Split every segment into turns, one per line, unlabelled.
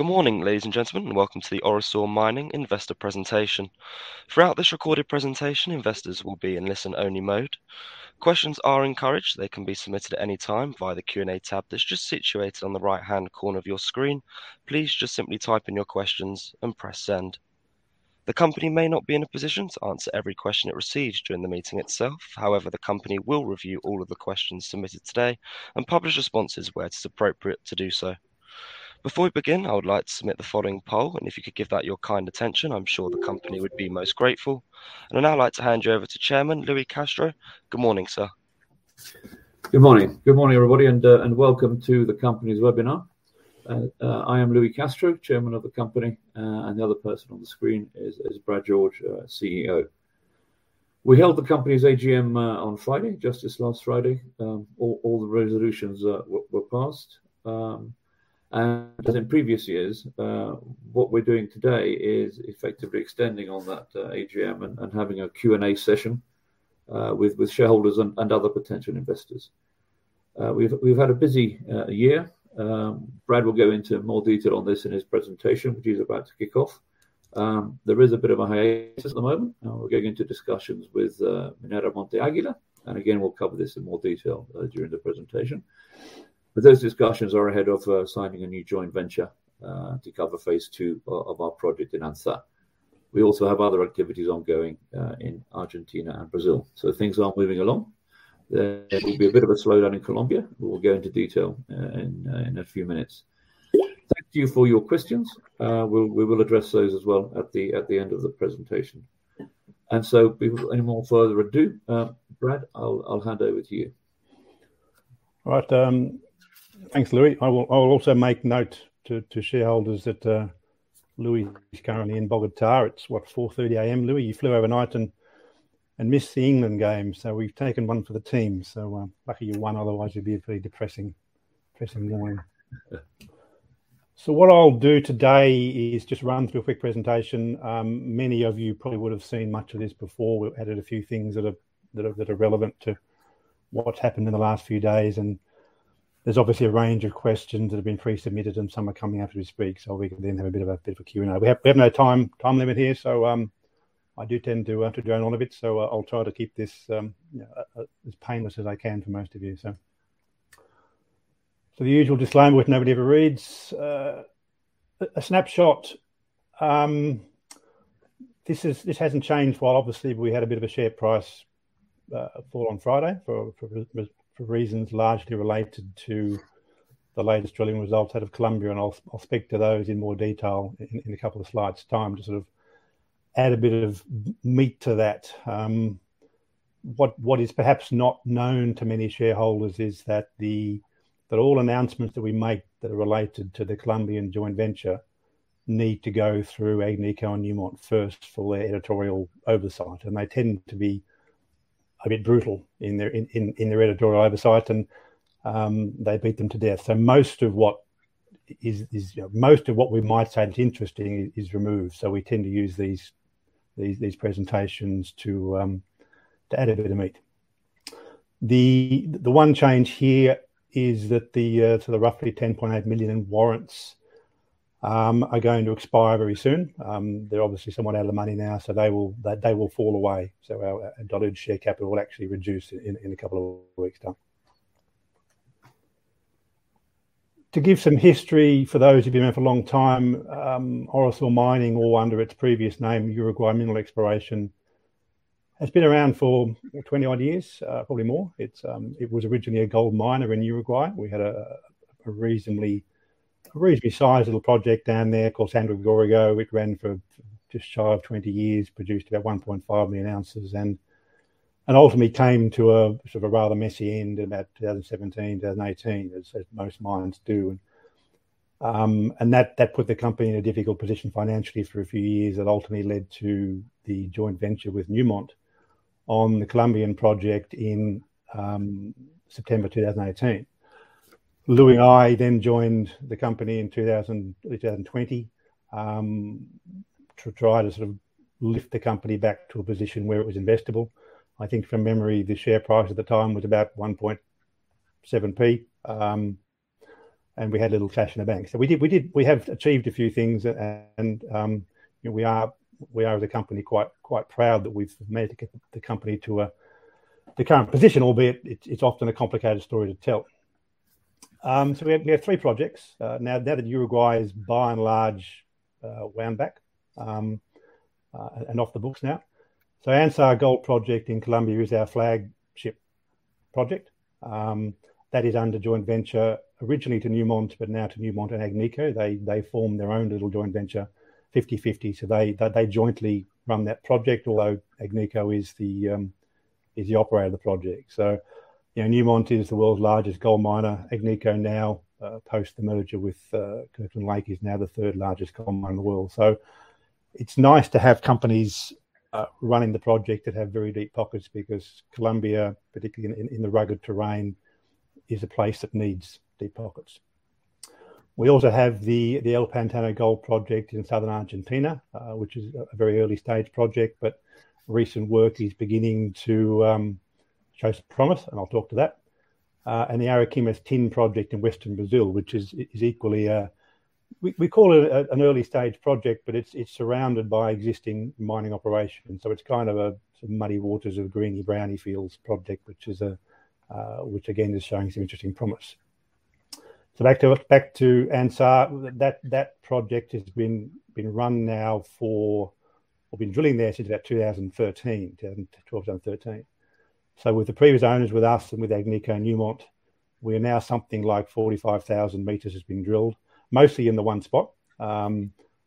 Good morning, ladies and gentlemen, and welcome to the Orosur Mining Investor Presentation. Throughout this recorded presentation, investors will be in listen-only mode. Questions are encouraged. They can be submitted at any time via the Q&A tab that's just situated on the right-hand corner of your screen. Please just simply type in your questions and press send. The company may not be in a position to answer every question it receives during the meeting itself. However, the company will review all of the questions submitted today and publish responses where it's appropriate to do so. Before we begin, I would like to submit the following poll, and if you could give that your kind attention, I'm sure the company would be most grateful. I'd now like to hand you over to Chairman Louis Castro. Good morning, sir.
Good morning. Good morning, everybody, and welcome to the company's webinar. I am Louis Castro, Chairman of the company, and the other person on the screen is Brad George, CEO. We held the company's AGM on Friday, just this last Friday. All the resolutions were passed. As in previous years, what we're doing today is effectively extending on that AGM and having a Q&A session with shareholders and other potential investors. We've had a busy year. Brad will go into more detail on this in his presentation, which he's about to kick off. There is a bit of a hiatus at the moment. We're going into discussions with Minera Monte Águila, and again, we'll cover this in more detail during the presentation. Those discussions are ahead of signing a new joint venture to cover phase two of our project in Anzá. We also have other activities ongoing in Argentina and Brazil, so things are moving along. There will be a bit of a slowdown in Colombia. We'll go into detail in a few minutes. Thank you for your questions. We will address those as well at the end of the presentation. Without any more further ado, Brad, I'll hand over to you.
All right. Thanks, Louis. I will also make note to shareholders that Louis is currently in Bogotá. It's what, 4:30 A.M., Louis? You flew overnight and missed the England game, so we've taken one for the team. Lucky you won, otherwise it'd be a very depressing morning. What I'll do today is just run through a quick presentation. Many of you probably would have seen much of this before. We've added a few things that are relevant to what's happened in the last few days. There's obviously a range of questions that have been pre-submitted, and some are coming after we speak. We can then have a bit of a Q&A. We have no time limit here, so I do tend to go on a bit. I'll try to keep this, you know, as painless as I can for most of you, so. The usual disclaimer which nobody ever reads. A snapshot. This hasn't changed. While obviously we had a bit of a share price fall on Friday for reasons largely related to the latest drilling results out of Colombia, and I'll speak to those in more detail in a couple of slides' time to sort of add a bit of meat to that. What is perhaps not known to many shareholders is that all announcements that we make that are related to the Colombian joint venture need to go through Agnico and Newmont first for their editorial oversight. They tend to be a bit brutal in their editorial oversight and they beat them to death. Most of what is, you know, most of what we might say that's interesting is removed. We tend to use these presentations to add a bit of meat. The one change here is that so the roughly $10.8 million in warrants are going to expire very soon. They're obviously somewhat out of the money now, so they will fall away. Our diluted share capital will actually reduce in a couple of weeks' time. To give some history for those of you who've been here for a long time, Orosur Mining, or under its previous name, Uruguay Mineral Exploration, has been around for 20-odd years, probably more. It was originally a gold miner in Uruguay. We had a reasonably sized little project down there called San Gregorio, which ran for just shy of 20 years, produced about 1.5 million ounces and ultimately came to a sort of a rather messy end in about 2017, 2018, as most mines do. That put the company in a difficult position financially for a few years. That ultimately led to the joint venture with Newmont on the Colombian project in September 2018. Louis and I joined the company in 2020 to try to sort of lift the company back to a position where it was investable. I think from memory, the share price at the time was about 1.7p, and we had little cash in the bank. We have achieved a few things and, you know, we are as a company quite proud that we've made the company to the current position, albeit it's often a complicated story to tell. We have three projects now that Uruguay is by and large wound back and off the books now. Anzá Gold Project in Colombia is our flagship project. That is under joint venture originally to Newmont, but now to Newmont and Agnico. They formed their own little joint venture 50/50. They jointly run that project, although Agnico is the operator of the project. You know, Newmont is the world's largest gold miner. Agnico now, post the merger with Kirkland Lake, is now the third largest gold miner in the world. It's nice to have companies running the project that have very deep pockets because Colombia, particularly in the rugged terrain, is a place that needs deep pockets. We also have the El Pantano Gold Project in southern Argentina, which is a very early-stage project, but recent work is beginning to show some promise, and I'll talk to that. And the Ariquemes tin project in western Brazil, which is equally. We call it an early-stage project, but it's surrounded by existing mining operations. It's kind of a greenfield brownfield project, which again is showing some interesting promise. Back to Anzá. That project has been run now. We've been drilling there since about 2013. 2012, 2013. With the previous owners, with us, and with Agnico and Newmont, we are now something like 45,000 m has been drilled, mostly in the one spot.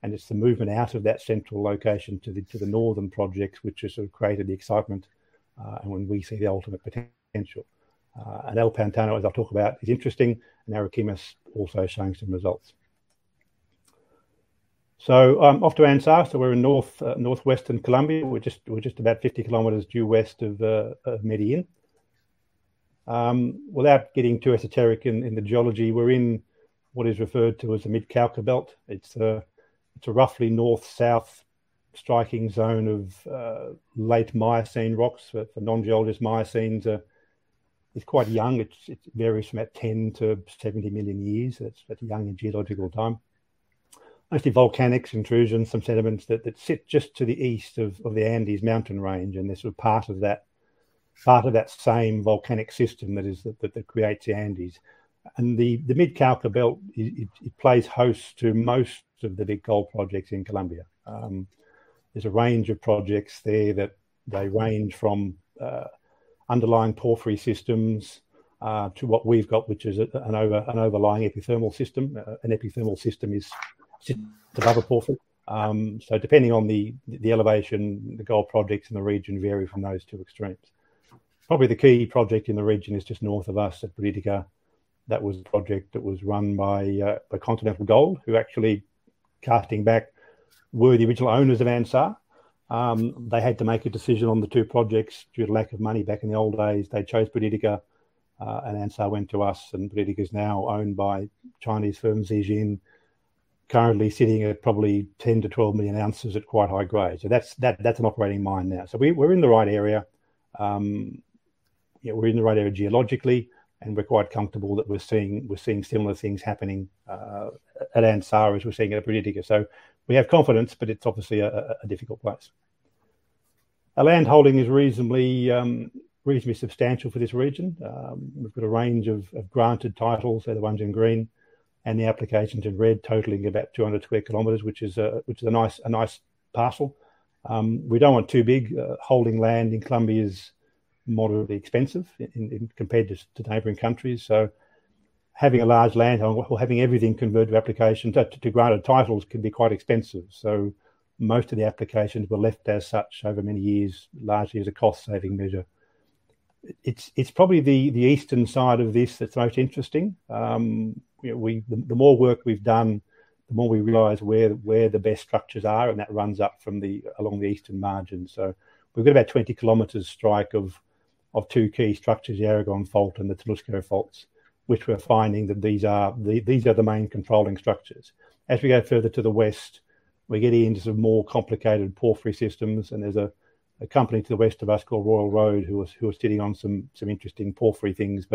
It's the movement out of that central location to the northern projects which has sort of created the excitement, and when we see the ultimate potential. El Pantano, as I'll talk about, is interesting, and Ariquemes also showing some results. Off to Anzá. We're in northwestern Colombia. We're just about 50 km due west of Medellín. Without getting too esoteric in the geology, we're in what is referred to as the Mid Cauca Belt. It's a roughly north-south striking zone of late Miocene rocks. For non-geologists, Miocene's a. It's quite young. It varies from about 10 to 70 million years. It's fairly young in geological time. Mostly volcanics, intrusions, some sediments that sit just to the east of the Andes mountain range, and they're sort of part of that same volcanic system that creates the Andes. The Mid Cauca Belt plays host to most of the big gold projects in Colombia. There's a range of projects there that range from underlying porphyry systems to what we've got, which is an overlying epithermal system. An epithermal system sits above a porphyry. So depending on the elevation, the gold projects in the region vary from those two extremes. Probably the key project in the region is just north of us at Buriticá. That was a project that was run by Continental Gold, who actually, casting back, were the original owners of Anzá. They had to make a decision on the two projects due to lack of money back in the old days. They chose Buriticá, and Anzá went to us, and Buriticá is now owned by Chinese firm Zijin, currently sitting at probably 10-12 million ounces at quite high grade. That's an operating mine now. We're in the right area. Yeah, we're in the right area geologically, and we're quite comfortable that we're seeing similar things happening at Anzá as we're seeing at Buriticá. We have confidence, but it's obviously a difficult place. Our land holding is reasonably substantial for this region. We've got a range of granted titles. They're the ones in green. The applications in red totaling about 200 sq km, which is a nice parcel. We don't want too big. Holding land in Colombia is moderately expensive compared to neighboring countries. Having a large land or having everything converted from applications to granted titles can be quite expensive. Most of the applications were left as such over many years, largely as a cost-saving measure. It's probably the eastern side of this that's most interesting. You know, the more work we've done, the more we realize where the best structures are, and that runs up from along the eastern margin. We've got about 20 km strike of two key structures, the Argelia Fault and the Tonusco faults, which we're finding that these are the main controlling structures. As we go further to the west, we're getting into some more complicated porphyry systems, and there's a company to the west of us called Royal Road who are sitting on some interesting porphyry things.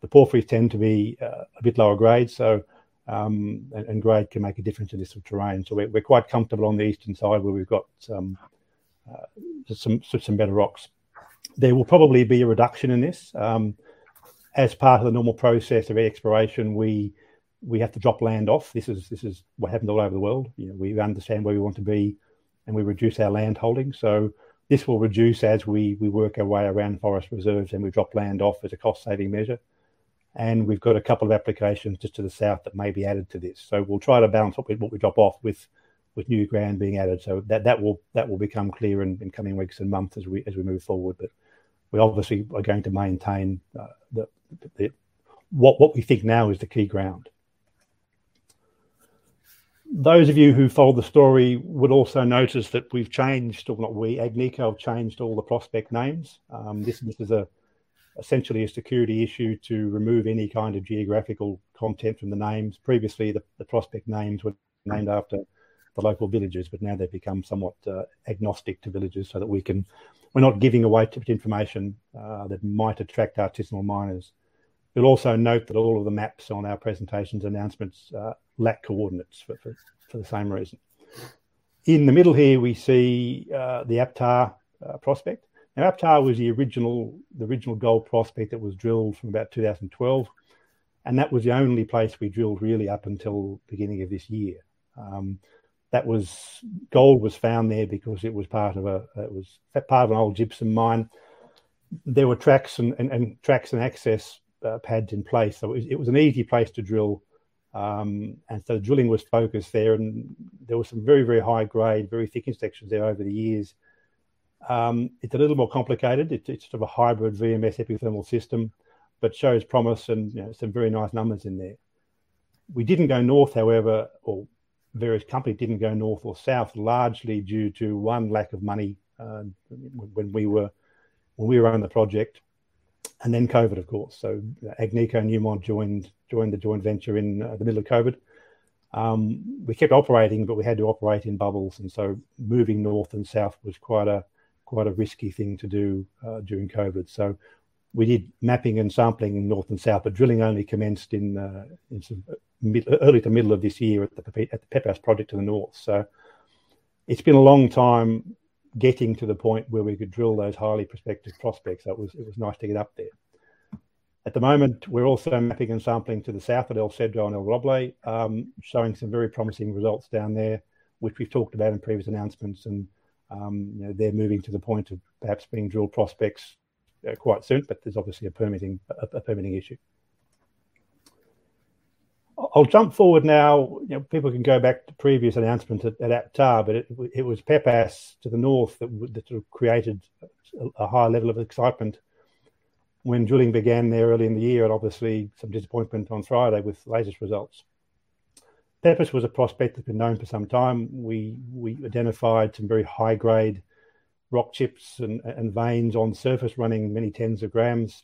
The porphyries tend to be a bit lower grade, and grade can make a difference in this sort of terrain. We're quite comfortable on the eastern side where we've got some sort of better rocks. There will probably be a reduction in this. As part of the normal process of exploration, we have to drop land off. This is what happens all over the world. You know, we understand where we want to be, and we reduce our land holdings. This will reduce as we work our way around forest reserves, and we drop land off as a cost-saving measure. We've got a couple of applications just to the south that may be added to this. We'll try to balance up with what we drop off with new ground being added. That will become clear in coming weeks and months as we move forward. We obviously are going to maintain the what we think now is the key ground. Those of you who followed the story would also notice that we've changed, or not we, Agnico changed all the prospect names. This is essentially a security issue to remove any kind of geographical content from the names. Previously, the prospect names were named after the local villages, but now they've become somewhat agnostic to villages so that we can. We're not giving away tipped information that might attract artisanal miners. You'll also note that all of the maps on our presentations announcements lack coordinates for the same reason. In the middle here, we see the APTA prospect. Now, APTA was the original gold prospect that was drilled from about 2012, and that was the only place we drilled really up until beginning of this year. Gold was found there because it was part of an old gypsum mine. There were tracks and access pads in place. It was an easy place to drill, and drilling was focused there and there were some very high grade, very thick intersections there over the years. It's a little more complicated. It's sort of a hybrid VMS epithermal system, but shows promise and, you know, some very nice numbers in there. We didn't go north, however, or various company didn't go north or south, largely due to one, lack of money when we were on the project, and then COVID, of course. Agnico and Newmont joined the joint venture in the middle of COVID. We kept operating, but we had to operate in bubbles, and moving north and south was quite a risky thing to do during COVID. We did mapping and sampling north and south, but drilling only commenced in early to middle of this year at the Pepas project to the north. It's been a long time getting to the point where we could drill those highly prospective prospects. It was nice to get up there. At the moment, we're also mapping and sampling to the south at El Cedro and El Roble, showing some very promising results down there, which we've talked about in previous announcements and, you know, they're moving to the point of perhaps being drill prospects quite soon, but there's obviously a permitting issue. I'll jump forward now. You know, people can go back to previous announcements at Anzá, but it was Pepas to the north that sort of created a high level of excitement when drilling began there early in the year, and obviously some disappointment on Friday with the latest results. Pepas was a prospect that had been known for some time. We identified some very high-grade rock chips and veins on surface running many tens of grams.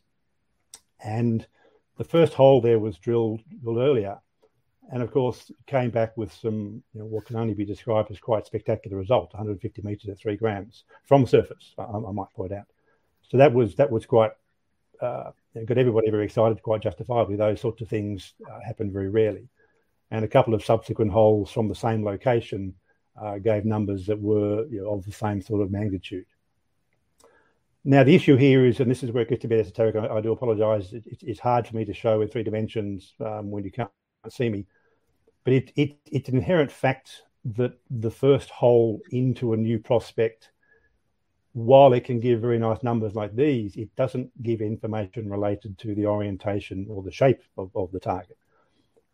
The first hole there was drilled earlier, and of course, came back with some, you know, what can only be described as quite spectacular result, 150 m at 3 grams from surface, I might point out. That was quite. It got everybody very excited, quite justifiably. Those sorts of things happen very rarely. A couple of subsequent holes from the same location gave numbers that were, you know, of the same sort of magnitude. Now, the issue here is, and this is where it gets a bit esoteric. I do apologize. It's hard for me to show in three dimensions when you can't see me. It's an inherent fact that the first hole into a new prospect, while it can give very nice numbers like these, it doesn't give information related to the orientation or the shape of the target.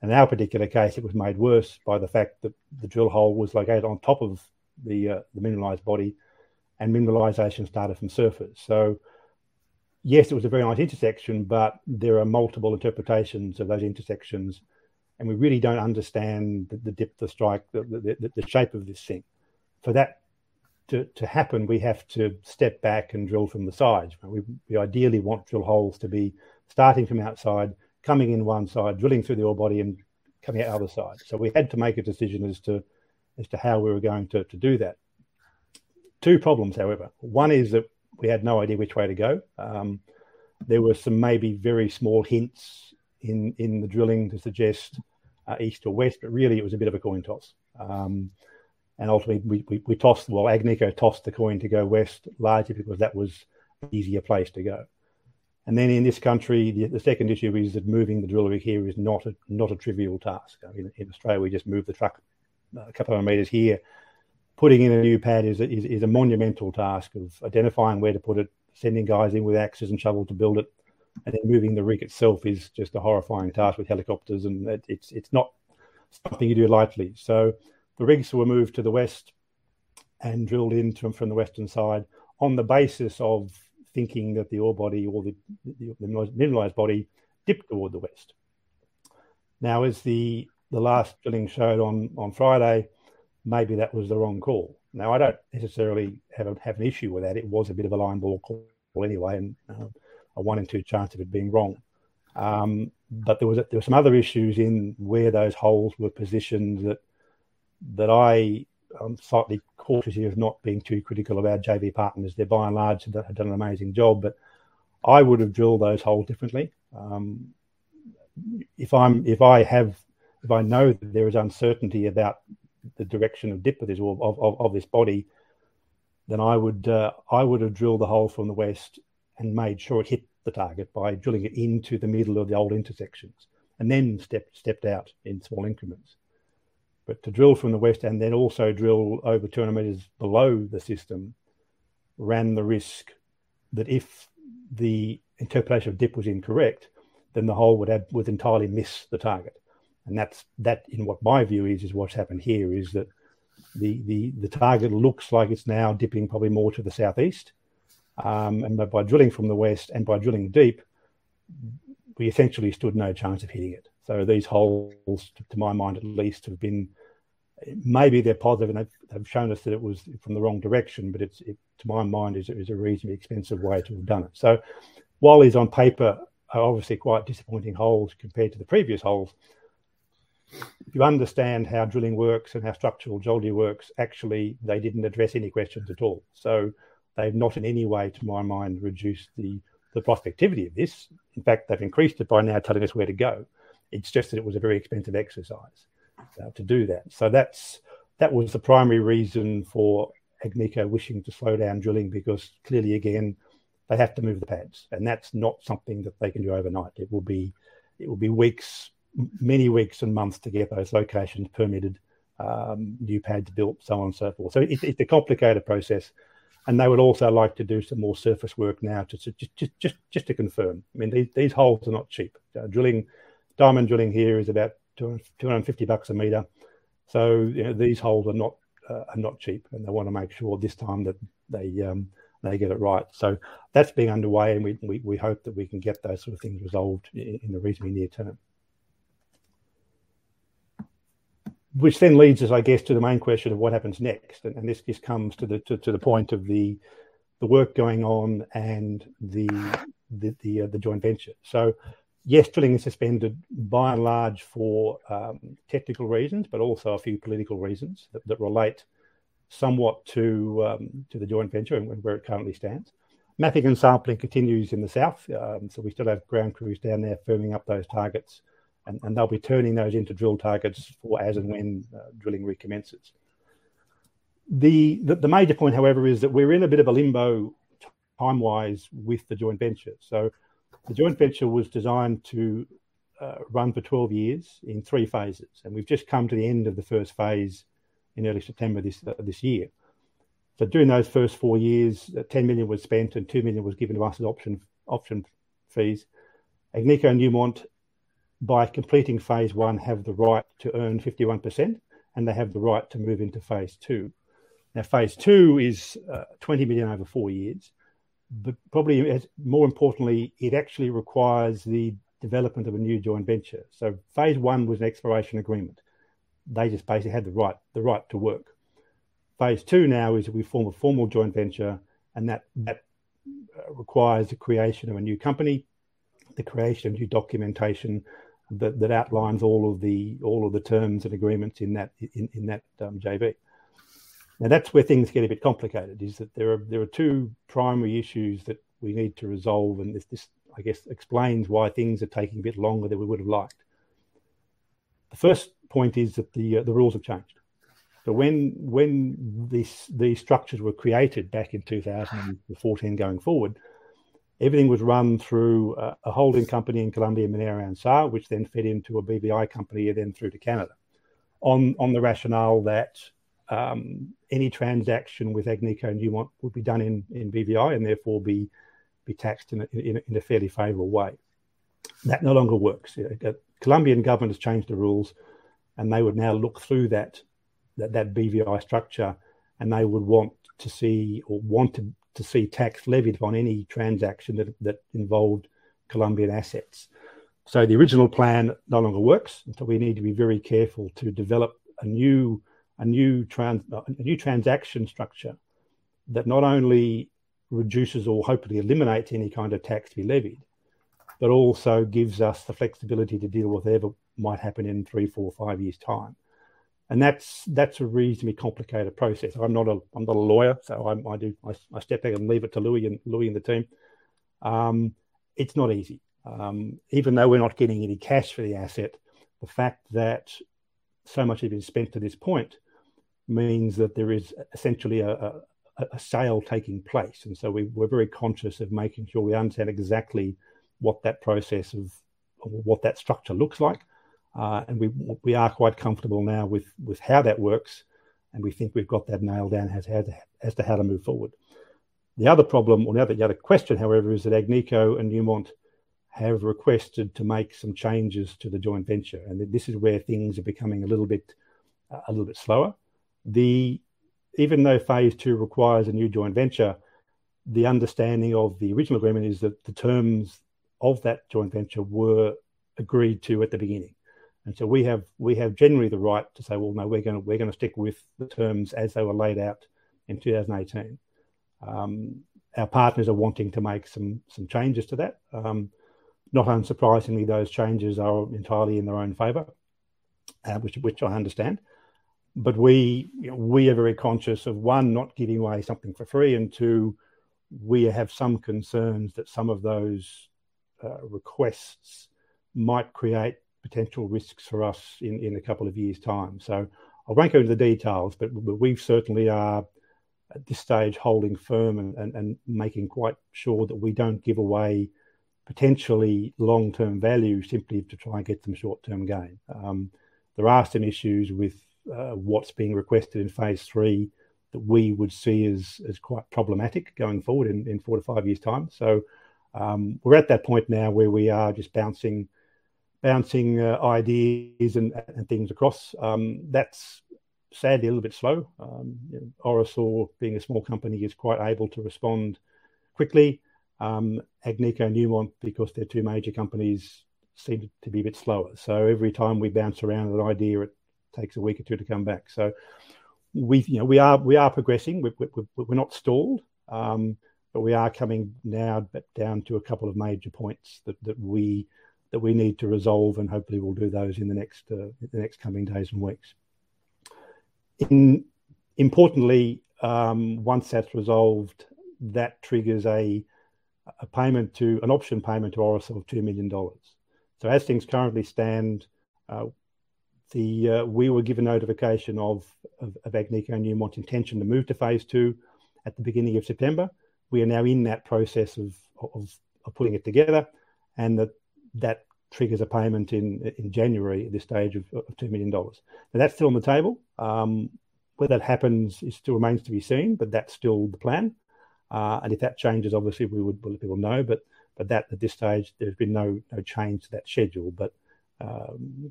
In our particular case, it was made worse by the fact that the drill hole was located on top of the mineralized body and mineralization started from surface. Yes, it was a very nice intersection, but there are multiple interpretations of those intersections, and we really don't understand the depth, the strike, the shape of this thing. For that to happen, we have to step back and drill from the sides. We ideally want drill holes to be starting from outside, coming in one side, drilling through the ore body and coming out other side. We had to make a decision as to how we were going to do that. Two problems, however. One is that we had no idea which way to go. There were some maybe very small hints in the drilling to suggest east or west, but really it was a bit of a coin toss. Ultimately, we tossed. Well, Agnico tossed the coin to go west, largely because that was an easier place to go. In this country, the second issue is that moving the drill rig here is not a trivial task. I mean, in Australia, we just move the truck a couple of meters. Here, putting in a new pad is a monumental task of identifying where to put it, sending guys in with axes and shovels to build it, and then moving the rig itself is just a horrifying task with helicopters and it's not something you do lightly. The rigs were moved to the west and drilled in from the western side on the basis of thinking that the ore body or the mineralized body dipped toward the west. Now, as the last drilling showed on Friday, maybe that was the wrong call. I don't necessarily have an issue with that. It was a bit of a line ball call anyway, and a 1 in 2 chance of it being wrong. But there were some other issues in where those holes were positioned that I'm slightly cautious of not being too critical of our JV partners. They by and large have done an amazing job. But I would have drilled those holes differently. If I know that there is uncertainty about the direction of dip of this body, then I would have drilled the hole from the west and made sure it hit the target by drilling it into the middle of the old intersections, and then stepped out in small increments. To drill from the west and then also drill over 200 m below the system ran the risk that if the interpretation of dip was incorrect, then the hole would entirely miss the target. That's in my view what's happened here, that the target looks like it's now dipping probably more to the southeast. By drilling from the west and by drilling deep, we essentially stood no chance of hitting it. These holes, to my mind at least, have been. Maybe they're positive and they've shown us that it was from the wrong direction, but it, to my mind, is a reasonably expensive way to have done it. While these on paper are obviously quite disappointing holes compared to the previous holes, if you understand how drilling works and how structural geology works, actually, they didn't address any questions at all. They've not in any way, to my mind, reduced the prospectivity of this. In fact, they've increased it by now telling us where to go. It's just that it was a very expensive exercise to do that. That was the primary reason for Agnico wishing to slow down drilling, because clearly, again, they have to move the pads, and that's not something that they can do overnight. It will be weeks, many weeks and months to get those locations permitted, new pads built, so on and so forth. It's a complicated process, and they would also like to do some more surface work now just to confirm. I mean, these holes are not cheap. Drilling, diamond drilling here is about $250 m. You know, these holes are not cheap, and they wanna make sure this time that they get it right. That's been underway, and we hope that we can get those sort of things resolved in the reasonably near term. Which then leads us, I guess, to the main question of what happens next, and this just comes to the point of the work going on and the joint venture. Yes, drilling is suspended by and large for technical reasons, but also a few political reasons that relate somewhat to the joint venture and where it currently stands. Mapping and sampling continues in the south, so we still have ground crews down there firming up those targets and they'll be turning those into drill targets for as and when drilling recommences. The major point, however, is that we're in a bit of a limbo time-wise with the joint venture. The joint venture was designed to run for 12 years in three phases, and we've just come to the end of the first phase in early September this year. During those first four years, $10 million was spent and $2 million was given to us as option fees. Agnico and Newmont, by completing phase one, have the right to earn 51%, and they have the right to move into phase II. Now, phase II is $20 million over four years, but probably more importantly, it actually requires the development of a new joint venture. Phase I was an exploration agreement. They just basically had the right to work. Phase II now is we form a formal joint venture, and that requires the creation of a new company, the creation of new documentation that outlines all of the terms and agreements in that JV. Now, that's where things get a bit complicated, is that there are two primary issues that we need to resolve, and this I guess explains why things are taking a bit longer than we would've liked. The first point is that the rules have changed. When these structures were created back in 2014 going forward, everything was run through a holding company in Colombia, Minera Anzá, which then fed into a BVI company and then through to Canada on the rationale that any transaction with Agnico and Newmont would be done in BVI and therefore be taxed in a fairly favorable way. That no longer works. The Colombian government has changed the rules, and they would now look through that BVI structure, and they would want to see or want to see tax levied on any transaction that involved Colombian assets. The original plan no longer works, and we need to be very careful to develop a new transaction structure that not only reduces or hopefully eliminates any kind of tax to be levied, but also gives us the flexibility to deal with whatever might happen in 3, 4, or 5 years' time. That's a reasonably complicated process. I'm not a lawyer, so I step back and leave it to Louis and the team. It's not easy. Even though we're not getting any cash for the asset, the fact that so much has been spent to this point means that there is essentially a sale taking place. We're very conscious of making sure we understand exactly what that process of. or what that structure looks like. We are quite comfortable now with how that works, and we think we've got that nailed down as to how to move forward. The other question, however, is that Agnico and Newmont have requested to make some changes to the joint venture, and this is where things are becoming a little bit slower. Even though phase two requires a new joint venture, the understanding of the original agreement is that the terms of that joint venture were agreed to at the beginning. We have generally the right to say, "Well, no, we're gonna stick with the terms as they were laid out in 2018." Our partners are wanting to make some changes to that. Not unsurprisingly, those changes are entirely in their own favor, which I understand. We, you know, we are very conscious of one, not giving away something for free, and two, we have some concerns that some of those requests might create potential risks for us in a couple of years' time. I won't go into the details, but we certainly are at this stage holding firm and making quite sure that we don't give away potentially long-term value simply to try and get some short-term gain. There are some issues with what's being requested in phase III that we would see as quite problematic going forward in 4-5 years' time. We're at that point now where we are just bouncing ideas and things across. That's sadly a little bit slow. You know, Orosur being a small company is quite able to respond quickly. Agnico and Newmont, because they're two major companies, seem to be a bit slower. Every time we bounce around an idea, it takes a week or two to come back. We are progressing. We're not stalled, but we are coming now down to a couple of major points that we need to resolve, and hopefully we'll do those in the next coming days and weeks. Importantly, once that's resolved, that triggers an option payment to Orosur of $2 million. As things currently stand, we were given notification of Agnico and Newmont's intention to move to phase two at the beginning of September. We are now in that process of putting it together, and that triggers a payment in January at this stage of $2 million. Now, that's still on the table. Whether that happens is still remains to be seen, but that's still the plan. If that changes, obviously we would let people know. That at this stage there's been no change to that schedule.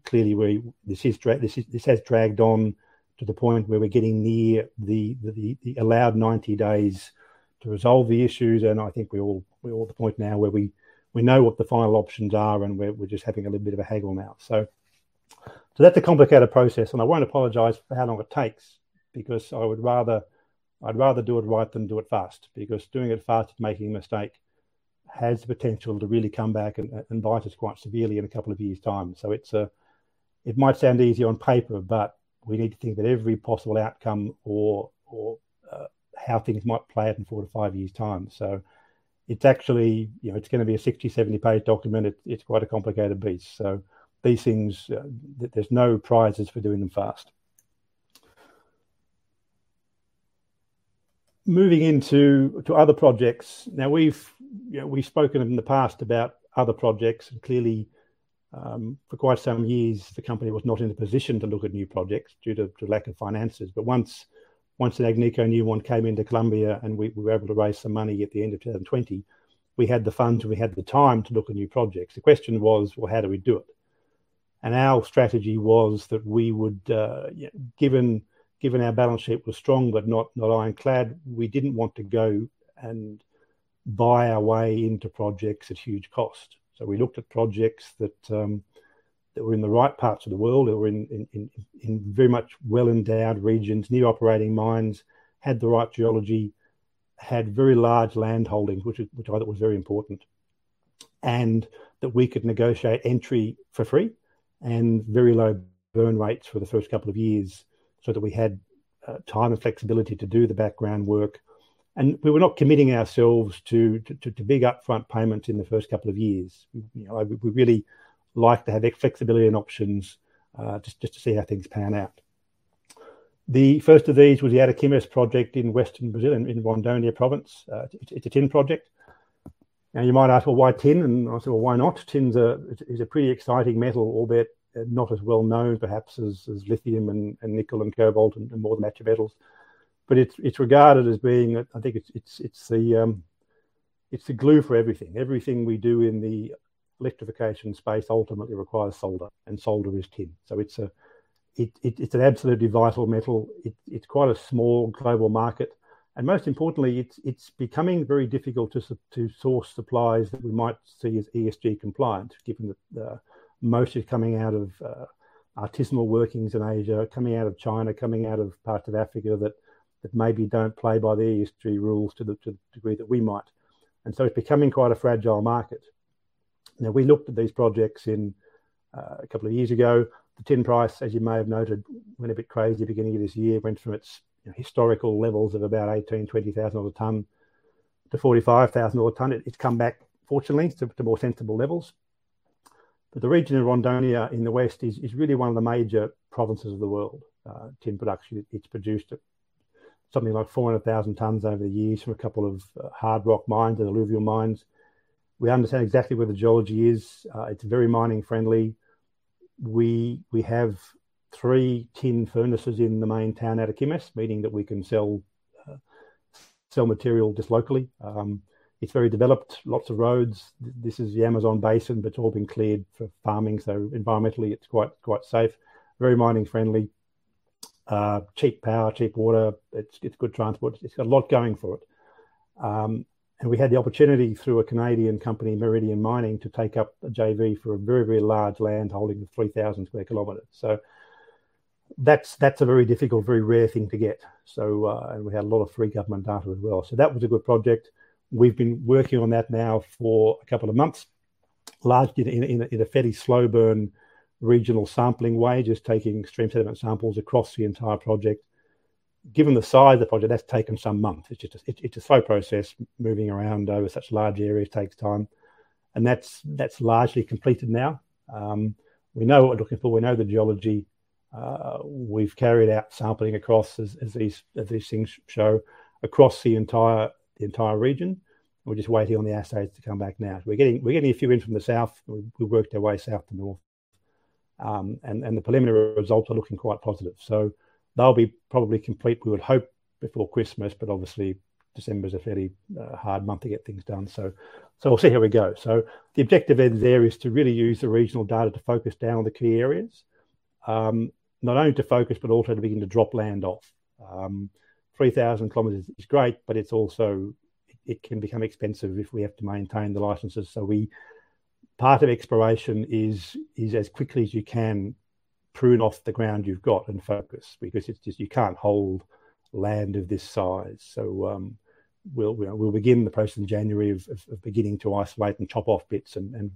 Clearly we This has dragged on to the point where we're getting near the allowed 90 days to resolve the issues, and I think we're all at the point now where we know what the final options are and we're just having a little bit of a haggle now. That's a complicated process, and I won't apologize for how long it takes, because I would rather do it right than do it fast. Because doing it fast and making a mistake has the potential to really come back and bite us quite severely in a couple of years' time. It might sound easy on paper, but we need to think about every possible outcome or how things might play out in 4-5 years' time. It's actually, you know, it's gonna be a 60-70-page document. It's quite a complicated beast, so these things, there's no prizes for doing them fast. Moving into other projects. We've, you know, we've spoken in the past about other projects and clearly, for quite some years, the company was not in a position to look at new projects due to lack of finances. Once Agnico Eagle came into Colombia and we were able to raise some money at the end of 2020, we had the funds and we had the time to look at new projects. The question was, how do we do it? Our strategy was that we would, you know, given our balance sheet was strong, but not ironclad, we didn't want to go and buy our way into projects at huge cost. We looked at projects that were in the right parts of the world or in very much well-endowed regions, new operating mines, had the right geology, had very large landholdings, which I thought was very important, and that we could negotiate entry for free and very low burn rates for the first couple of years so that we had time and flexibility to do the background work. We were not committing ourselves to big upfront payments in the first couple of years. You know, we really like to have flexibility and options, just to see how things pan out. The first of these was the Ariquemes project in Western Brazil, in Rondônia province. It's a tin project. Now you might ask, "Well, why tin?" And I'll say, "Well, why not?" Tin's a pretty exciting metal, albeit not as well known perhaps as lithium and nickel and cobalt and more of the battery metals. But it's regarded as being the glue for everything. Everything we do in the electrification space ultimately requires solder, and solder is tin. So it's an absolutely vital metal. It's quite a small global market, and most importantly, it's becoming very difficult to source supplies that we might see as ESG compliant, given that the most is coming out of artisanal workings in Asia, coming out of China, coming out of parts of Africa that maybe don't play by the ESG rules to the degree that we might. It's becoming quite a fragile market. We looked at these projects a couple of years ago. The tin price, as you may have noted, went a bit crazy beginning of this year. It went from its, you know, historical levels of about $18,000-$20,000 a ton to $45,000 a ton. It's come back, fortunately, to more sensible levels. The region of Rondônia in the west is really one of the major provinces of the world, tin production. It's produced something like 400,000 tons over the years from a couple of hard rock mines and alluvial mines. We understand exactly where the geology is. It's very mining-friendly. We have three tin furnaces in the main town, Araxá, meaning that we can sell material just locally. It's very developed, lots of roads. This is the Amazon basin, but it's all been cleared for farming. Environmentally, it's quite safe. Very mining-friendly, cheap power, cheap water. It's good transport. It's got a lot going for it. We had the opportunity through a Canadian company, Meridian Mining, to take up a JV for a very large land holding of 3,000 sq km. That's a very difficult, very rare thing to get. We had a lot of free government data as well. That was a good project. We've been working on that now for a couple of months, largely in a fairly slow burn, regional sampling way, just taking stream sediment samples across the entire project. Given the size of the project, that's taken some months. It's a slow process. Moving around over such large areas takes time, and that's largely completed now. We know what we're looking for. We know the geology. We've carried out sampling across, as these things show, across the entire region. We're just waiting on the assays to come back now. We're getting a few in from the south. We've worked our way south to north. The preliminary results are looking quite positive, so they'll be probably complete, we would hope, before Christmas. Obviously, December is a fairly hard month to get things done, we'll see how we go. The objective then there is to really use the regional data to focus down on the key areas. Not only to focus, but also to begin to drop land off. 3,000 km is great, but it's also expensive if we have to maintain the licenses. Part of exploration is as quickly as you can prune off the ground you've got and focus, because it's just you can't hold land of this size. We'll begin the process in January of beginning to isolate and chop off bits and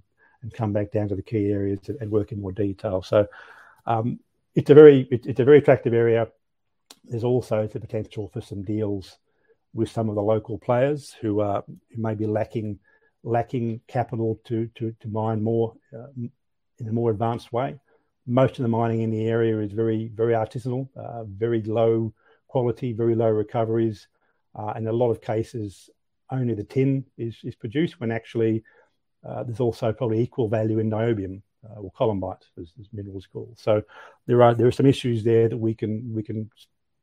come back down to the key areas and work in more detail. It's a very attractive area. There's also the potential for some deals with some of the local players who may be lacking capital to mine more in a more advanced way. Most of the mining in the area is very artisanal, very low quality, very low recoveries. In a lot of cases, only the tin is produced when actually there's also probably equal value in niobium or columbite, as this mineral is called. There are some issues there that we can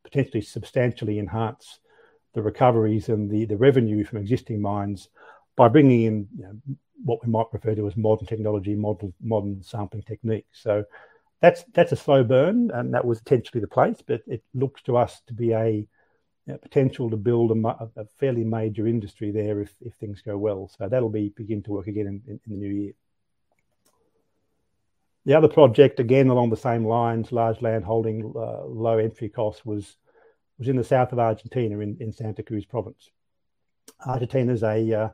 potentially substantially enhance the recoveries and the revenue from existing mines by bringing in, you know, what we might refer to as modern technology, modern sampling techniques. That's a slow burn, and that was potentially the place, but it looks to us to be a, yeah, potential to build a fairly major industry there if things go well. That'll begin to work again in the new year. The other project, again, along the same lines, large landholding, low entry cost was in the south of Argentina, in Santa Cruz province. Argentina's a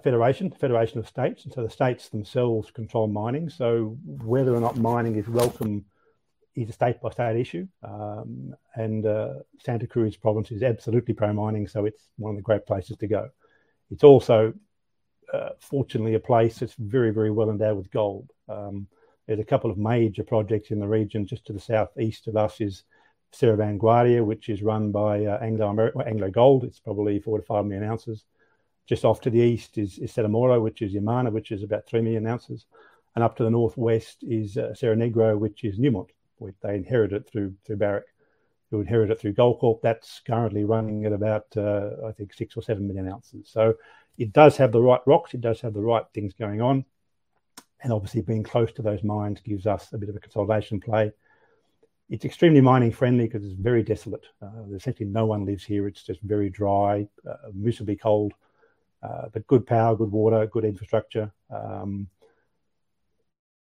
federation of states, and so the states themselves control mining. Whether or not mining is welcome is a state-by-state issue. Santa Cruz province is absolutely pro-mining, so it's one of the great places to go. It's also fortunately a place that's very, very well-endowed with gold. There's a couple of major projects in the region. Just to the southeast of us is Cerro Vanguardia, which is run by AngloGold. It's probably 4-5 million ounces. Just off to the east is Cerro Moro, which is Yamana, which is about 3 million ounces. Up to the northwest is Cerro Negro, which is Newmont. Which they inherited through Barrick, who inherited it through Goldcorp. That's currently running at about, I think, 6 or 7 million ounces. It does have the right rocks, it does have the right things going on. Obviously being close to those mines gives us a bit of a consolidation play. It's extremely mining-friendly 'cause it's very desolate. Essentially no one lives here. It's just very dry, miserably cold, but good power, good water, good infrastructure.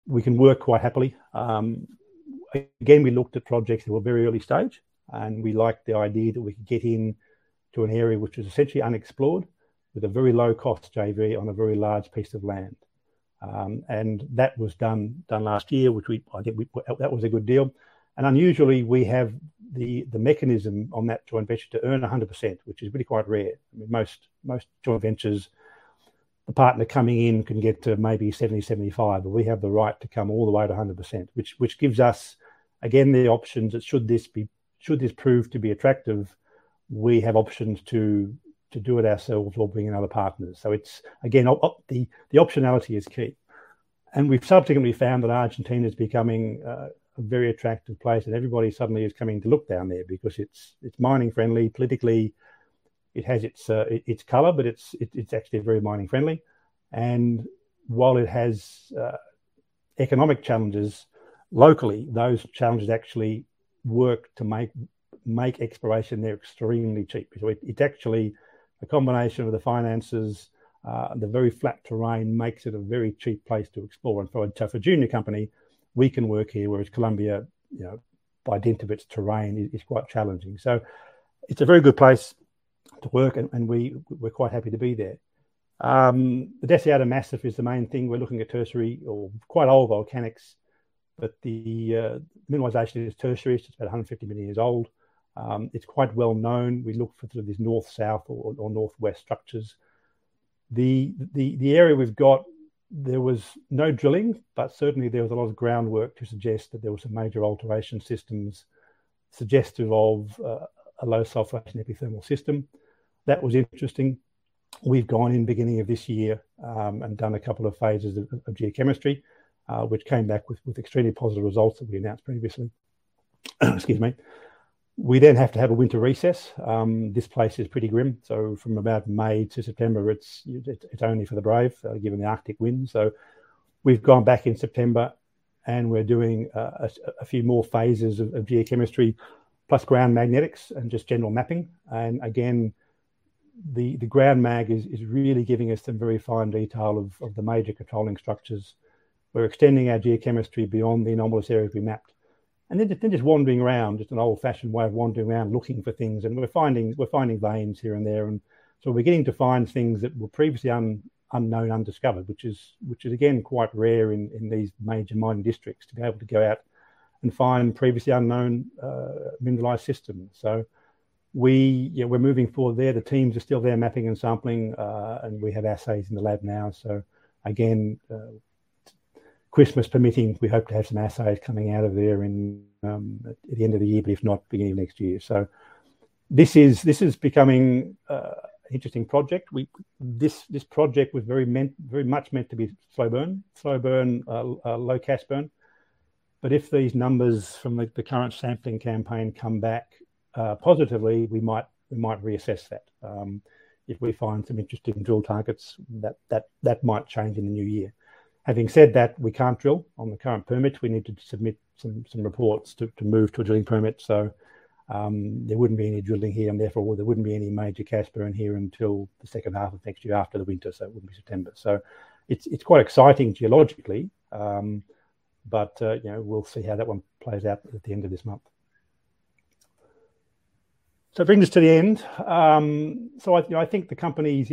We can work quite happily. Again, we looked at projects that were very early stage, and we liked the idea that we could get into an area which is essentially unexplored with a very low-cost JV on a very large piece of land. That was done last year. That was a good deal. Unusually, we have the mechanism on that joint venture to earn 100%, which is really quite rare. I mean, most joint ventures, the partner coming in can get to maybe 70, 75. We have the right to come all the way to 100%, which gives us, again, the options that should this prove to be attractive, we have options to do it ourselves or bring in other partners. It's, again, the optionality is key. We've subsequently found that Argentina's becoming a very attractive place, and everybody suddenly is coming to look down there because it's mining-friendly. Politically, it has its color, but it's actually very mining-friendly. While it has economic challenges locally, those challenges actually work to make exploration there extremely cheap. It's actually a combination of the finances, the very flat terrain makes it a very cheap place to explore. For a junior company, we can work here, whereas Colombia, you know, by dint of its terrain is quite challenging. It's a very good place to work and we're quite happy to be there. The Deseado Massif is the main thing. We're looking at tertiary or quite old volcanics, but the mineralization is tertiary, so it's about 150 million years old. It's quite well known. We look for sort of these north-south or north-west structures. The area we've got, there was no drilling, but certainly there was a lot of groundwork to suggest that there was some major alteration systems suggestive of a low-sulfur epithermal system. That was interesting. We've gone in beginning of this year and done a couple of phases of geochemistry, which came back with extremely positive results that we announced previously. Excuse me. We then have to have a winter recess. This place is pretty grim, so from about May to September, it's only for the brave, given the Arctic winds. We've gone back in September and we're doing a few more phases of geochemistry, plus ground magnetics and just general mapping. Again, the ground mag is really giving us some very fine detail of the major controlling structures. We're extending our geochemistry beyond the anomalous areas we mapped. Then just wandering around, just an old-fashioned way of wandering around looking for things. We're finding veins here and there. We're beginning to find things that were previously unknown, undiscovered, which is again quite rare in these major mining districts, to be able to go out and find previously unknown mineralized systems. You know, we're moving forward there. The teams are still there mapping and sampling, and we have assays in the lab now. Again, Christmas permitting, we hope to have some assays coming out of there at the end of the year, but if not, beginning of next year. This is becoming an interesting project. This project was very much meant to be slow burn. Slow burn, low cash burn. But if these numbers from the current sampling campaign come back positively, we might reassess that. If we find some interesting drill targets, that might change in the new year. Having said that, we can't drill on the current permits. We need to submit some reports to move to a drilling permit. There wouldn't be any drilling here, and therefore there wouldn't be any major cash burn here until the second half of next year after the winter, so it would be September. It's quite exciting geologically, but you know, we'll see how that one plays out at the end of this month. That brings us to the end. I think the company is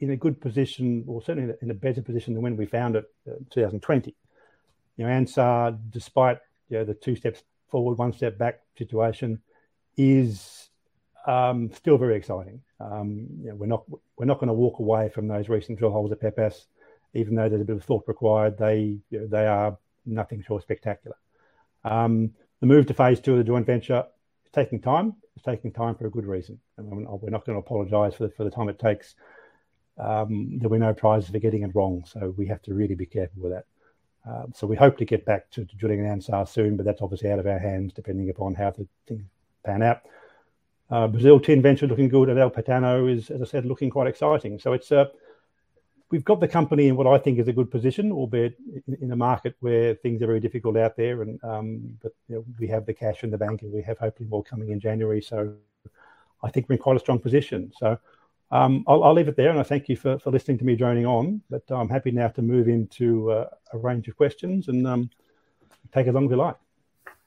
in a good position or certainly in a better position than when we found it, 2020. You know, Anzá, despite, you know, the two steps forward, one step back situation is still very exciting. You know, we're not gonna walk away from those recent drill holes at Pepas, even though there's a bit of thought required. They, you know, are nothing short of spectacular. The move to phase two of the joint venture, it's taking time. It's taking time for a good reason, and we're not gonna apologize for the time it takes. There'll be no prizes for getting it wrong, so we have to really be careful with that. We hope to get back to drilling in Anzá soon, but that's obviously out of our hands, depending upon how things pan out. Brazil tin venture looking good. El Pantano is, as I said, looking quite exciting. We've got the company in what I think is a good position, albeit in a market where things are very difficult out there and but you know, we have the cash in the bank and we have hopefully more coming in January. I think we're in quite a strong position. I'll leave it there and I thank you for listening to me droning on, but I'm happy now to move into a range of questions and take as long as you like.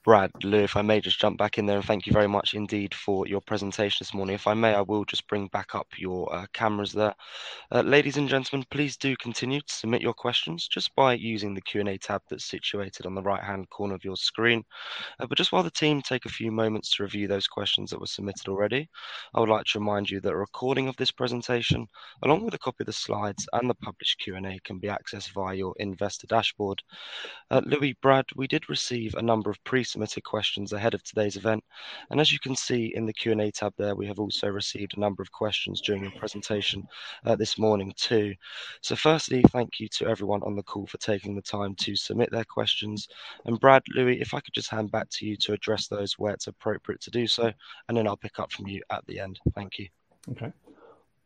Brad, Louis, if I may just jump back in there and thank you very much indeed for your presentation this morning. If I may, I will just bring back up your cameras there. Ladies and gentlemen, please do continue to submit your questions just by using the Q&A tab that's situated on the right-hand corner of your screen. But just while the team take a few moments to review those questions that were submitted already, I would like to remind you that a recording of this presentation along with a copy of the slides and the published Q&A can be accessed via your investor dashboard. Louis, Brad, we did receive a number of pre-submitted questions ahead of today's event. As you can see in the Q&A tab there, we have also received a number of questions during your presentation this morning too. Firstly, thank you to everyone on the call for taking the time to submit their questions. Brad, Louis, if I could just hand back to you to address those where it's appropriate to do so, and then I'll pick up from you at the end. Thank you.
Okay.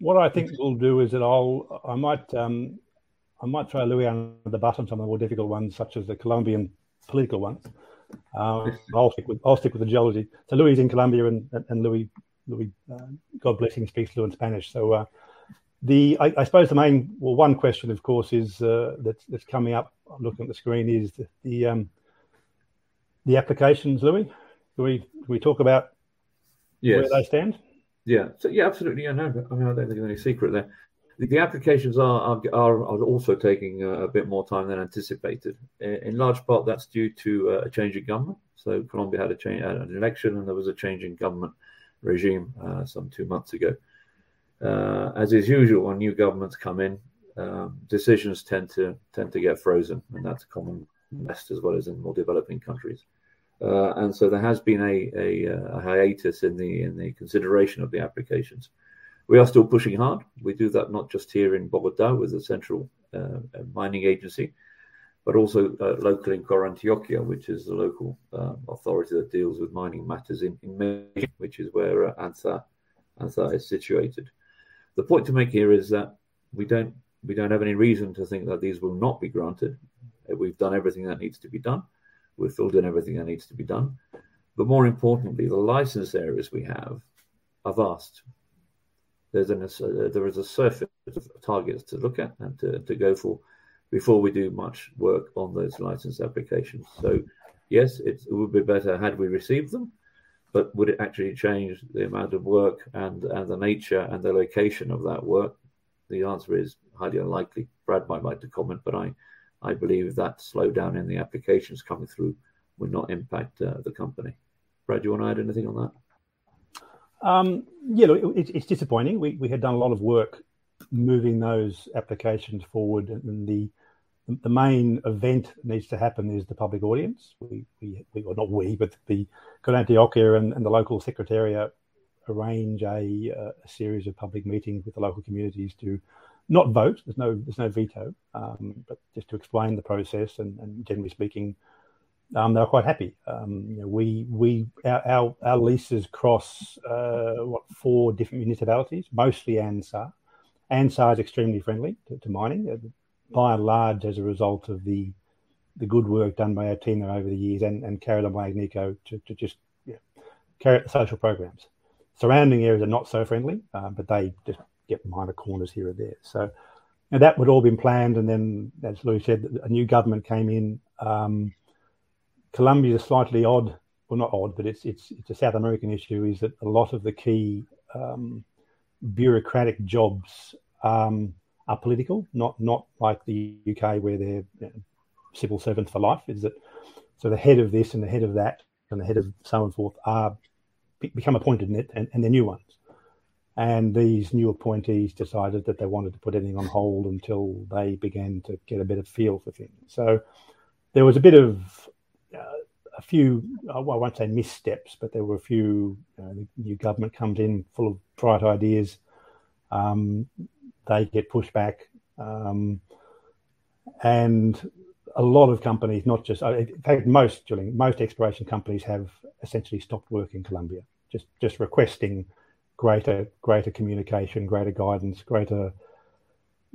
What I think we'll do is that I might try Louis out at the bottom some of the more difficult ones, such as the Colombian political ones. I'll stick with the geology. Louis is in Colombia and Louis Castro speaks fluent Spanish. I suppose the main. Well, one question of course is that's coming up. I'm looking at the screen is the applications. Louis, can we talk about?
Yes
Where they stand?
Yeah, absolutely. I know, I mean, I don't think there's any secret there. The applications are also taking a bit more time than anticipated. In large part that's due to a change in government. Colombia had an election and there was a change in government regime some two months ago. As is usual when new governments come in, decisions tend to get frozen and that's common in government as well as in more developing countries. There has been a hiatus in the consideration of the applications. We are still pushing hard. We do that not just here in Bogotá with the central mining agency, but also locally in Corantioquia, which is the local authority that deals with mining matters in which is where Anzá is situated. The point to make here is that we don't have any reason to think that these will not be granted. We've done everything that needs to be done. We've filled in everything that needs to be done. More importantly, the license areas we have are vast. There is a surfeit of targets to look at and to go for before we do much work on those license applications. Yes, it would be better had we received them, but would it actually change the amount of work and the nature and the location of that work? The answer is highly unlikely. Brad might like to comment, but I believe if that slowdown in the applications coming through would not impact the company. Brad, do you want to add anything on that?
You know, it's disappointing. We had done a lot of work moving those applications forward and the main event that needs to happen is the public audience. But the Corantioquia and the local secretaría arrange a series of public meetings with the local communities to not vote. There's no veto. But just to explain the process and generally speaking, they're quite happy. You know, our leases cross what, four different municipalities, mostly Anzá. Anzá is extremely friendly to mining by and large as a result of the good work done by our team there over the years and carried on by Agnico to just carry out the social programs. Surrounding areas are not so friendly, but they just get behind the corners here and there. That would all been planned and then, as Louis said, a new government came in. Colombia is slightly odd, well not odd, but it's a South American issue is that a lot of the key bureaucratic jobs are political. Not like the U.K. where they're civil servants for life. The head of this and the head of that and the head of so and so forth are become appointed and they're new ones. These new appointees decided that they wanted to put everything on hold until they began to get a bit of feel for things. There was a bit of a few. I won't say missteps, but there were a few new government comes in full of bright ideas. They get pushed back. A lot of companies, not just, in fact most, Julian, most exploration companies have essentially stopped work in Colombia requesting greater communication, greater guidance,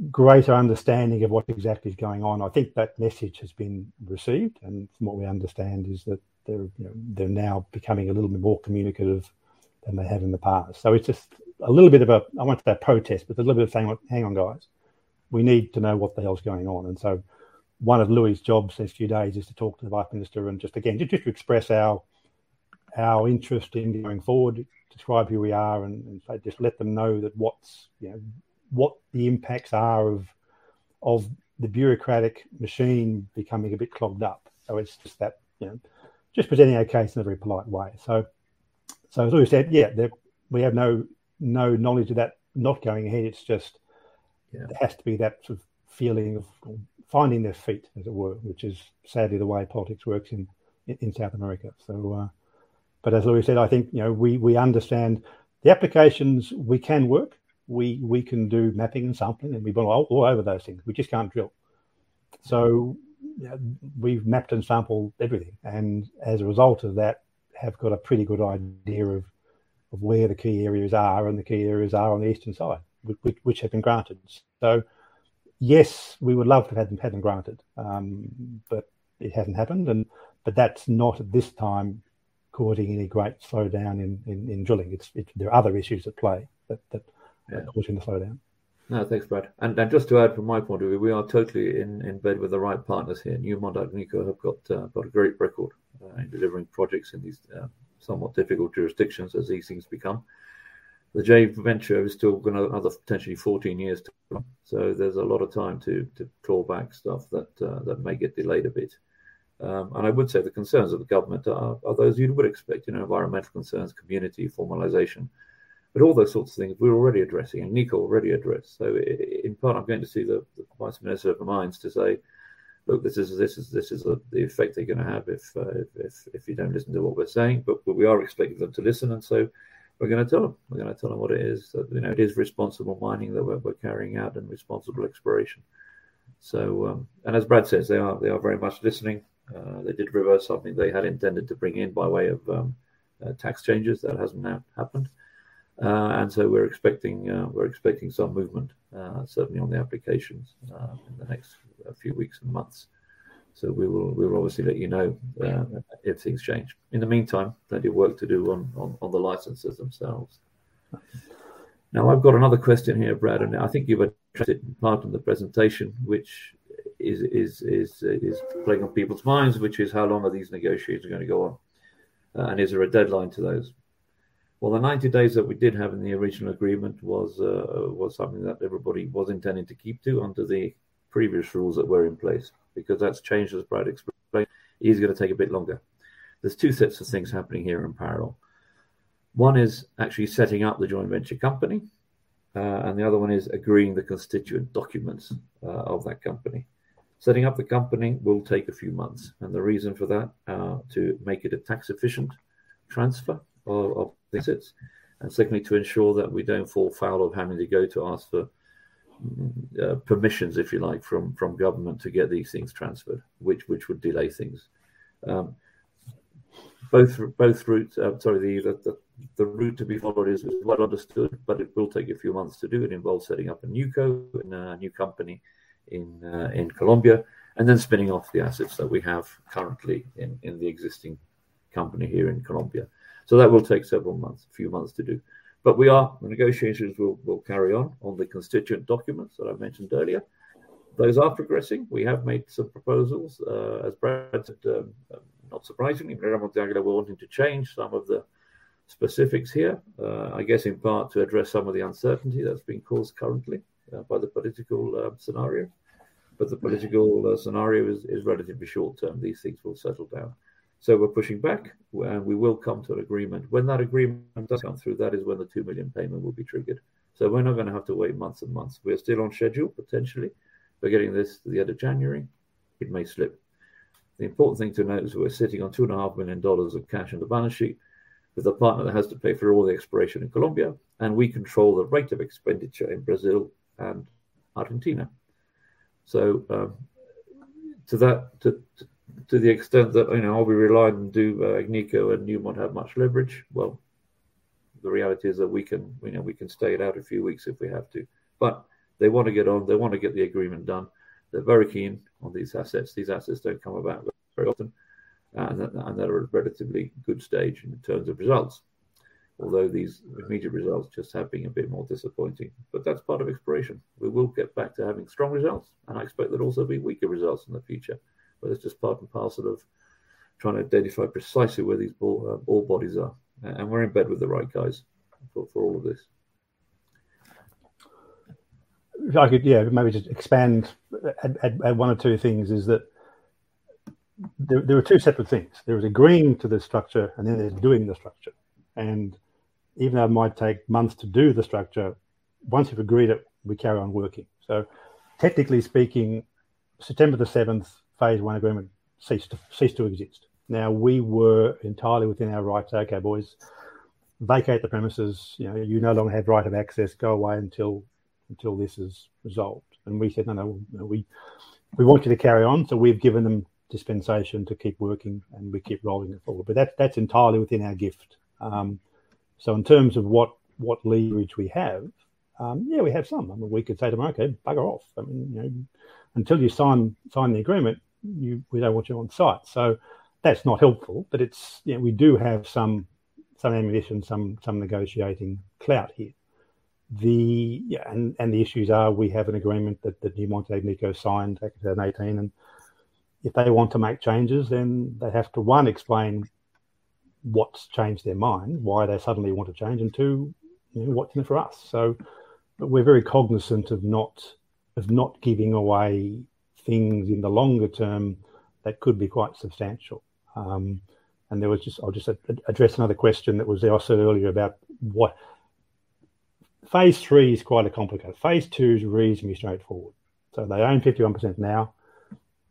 greater understanding of what exactly is going on. I think that message has been received and from what we understand is that they're, you know, they're now becoming a little bit more communicative than they have in the past. It's just a little bit of a, I won't say a protest, but a little bit of saying, "Hang on guys, we need to know what the hell's going on." One of Louis' jobs these few days is to talk to the vice minister and just again to express our interest in going forward, describe who we are and so just let them know that what, you know, the impacts are of the bureaucratic machine becoming a bit clogged up. It's just that, you know, just presenting our case in a very polite way. As Louis said, yeah, we have no knowledge of that not going ahead. It's just. There has to be that sort of feeling of finding their feet, as it were, which is sadly the way politics works in South America. As Louis said, I think, you know, we understand the applications. We can work, we can do mapping and sampling and we've gone all over those things. We just can't drill. You know, we've mapped and sampled everything, and as a result of that have got a pretty good idea of where the key areas are, and the key areas are on the eastern side which have been granted. Yes, we would love to have had them granted, but it hasn't happened. That's not at this time causing any great slowdown in drilling. There are other issues at play that.
Yeah
Are causing the slowdown.
No, thanks, Brad. Just to add from my point of view, we are totally in bed with the right partners here. Newmont and Agnico have got a great record in delivering projects in these somewhat difficult jurisdictions as these things become. The joint venture has still got another potentially 14 years to run, so there's a lot of time to claw back stuff that may get delayed a bit. I would say the concerns of the government are those you would expect, you know, environmental concerns, community formalization. All those sorts of things we're already addressing and Nick already addressed. In part, I'm going to see the Minister of Mines to say, "Look, this is the effect they're gonna have if you don't listen to what we're saying." We are expecting them to listen and so we're gonna tell them. We're gonna tell them what it is. That, you know, it is responsible mining that we're carrying out and responsible exploration. As Brad says, they are very much listening. They did reverse something they had intended to bring in by way of tax changes. That hasn't now happened. We're expecting some movement certainly on the applications in the next few weeks and months. We will obviously let you know if things change. In the meantime, plenty of work to do on the licenses themselves. Now, I've got another question here, Brad, and I think you've addressed it in part in the presentation, which is playing on people's minds, which is how long are these negotiations gonna go on, and is there a deadline to those? Well, the 90 days that we did have in the original agreement was something that everybody was intending to keep to under the previous rules that were in place. Because that's changed, as Brad explained, it is gonna take a bit longer. There's two sets of things happening here in parallel. One is actually setting up the joint venture company, and the other one is agreeing the constituent documents of that company. Setting up the company will take a few months, and the reason for that, to make it a tax-efficient transfer of assets. Secondly, to ensure that we don't fall foul of having to go to ask for permissions, if you like, from government to get these things transferred, which would delay things. The route to be followed is well understood, but it will take a few months to do. It involves setting up a new co. and a new company in Colombia, and then spinning off the assets that we have currently in the existing company here in Colombia. That will take several months, a few months to do. The negotiations will carry on the constituent documents that I mentioned earlier. Those are progressing. We have made some proposals. As Brad said, not surprisingly, Minera Monte Águila were wanting to change some of the specifics here. I guess in part to address some of the uncertainty that's been caused currently by the political scenario. The political scenario is relatively short term. These things will settle down. We're pushing back. We will come to an agreement. When that agreement does come through, that is when the $2 million payment will be triggered, so we're not gonna have to wait months and months. We're still on schedule, potentially. We're getting this to the end of January. It may slip. The important thing to note is we're sitting on $2.5 million of cash on the balance sheet with a partner that has to pay for all the exploration in Colombia, and we control the rate of expenditure in Brazil and Argentina. To the extent that, you know, are we reliant and do Agnico and Newmont have much leverage? Well, the reality is that we can, you know, string it out a few weeks if we have to. They wanna get on, they wanna get the agreement done. They're very keen on these assets. These assets don't come about very often that are at a relatively good stage in terms of results. Although these immediate results just have been a bit more disappointing. That's part of exploration. We will get back to having strong results, and I expect there'll also be weaker results in the future. It's just part and parcel of trying to identify precisely where these ore bodies are. We're in bed with the right guys for all of this.
If I could, yeah, maybe just expand at one or two things is that there were two separate things. There was agreeing to the structure and then there's doing the structure. Even though it might take months to do the structure, once you've agreed it, we carry on working. Technically speaking, September the 7th, phase one agreement ceased to exist. Now, we were entirely within our rights, "Okay, boys, vacate the premises. You know, you no longer have right of access. Go away until this is resolved." We said, "No, no. We want you to carry on." We've given them dispensation to keep working and we keep rolling it forward. That's entirely within our gift. In terms of what leverage we have, yeah, we have some. I mean, we could say to them, "Okay, bugger off." I mean, you know, "Until you sign the agreement, you... We don't want you on site." That's not helpful, but it's you know, we do have some ammunition, some negotiating clout here. The issues are we have an agreement that Newmont and Agnico signed back in 2018, and if they want to make changes, then they have to, one, explain what's changed their mind, why they suddenly want a change. Two, you know, what's in it for us. We're very cognizant of not giving away things in the longer term that could be quite substantial. I'll just address another question that was asked earlier about what phase three is. Phase three is quite complicated. Phase two is reasonably straightforward. They own 51% now.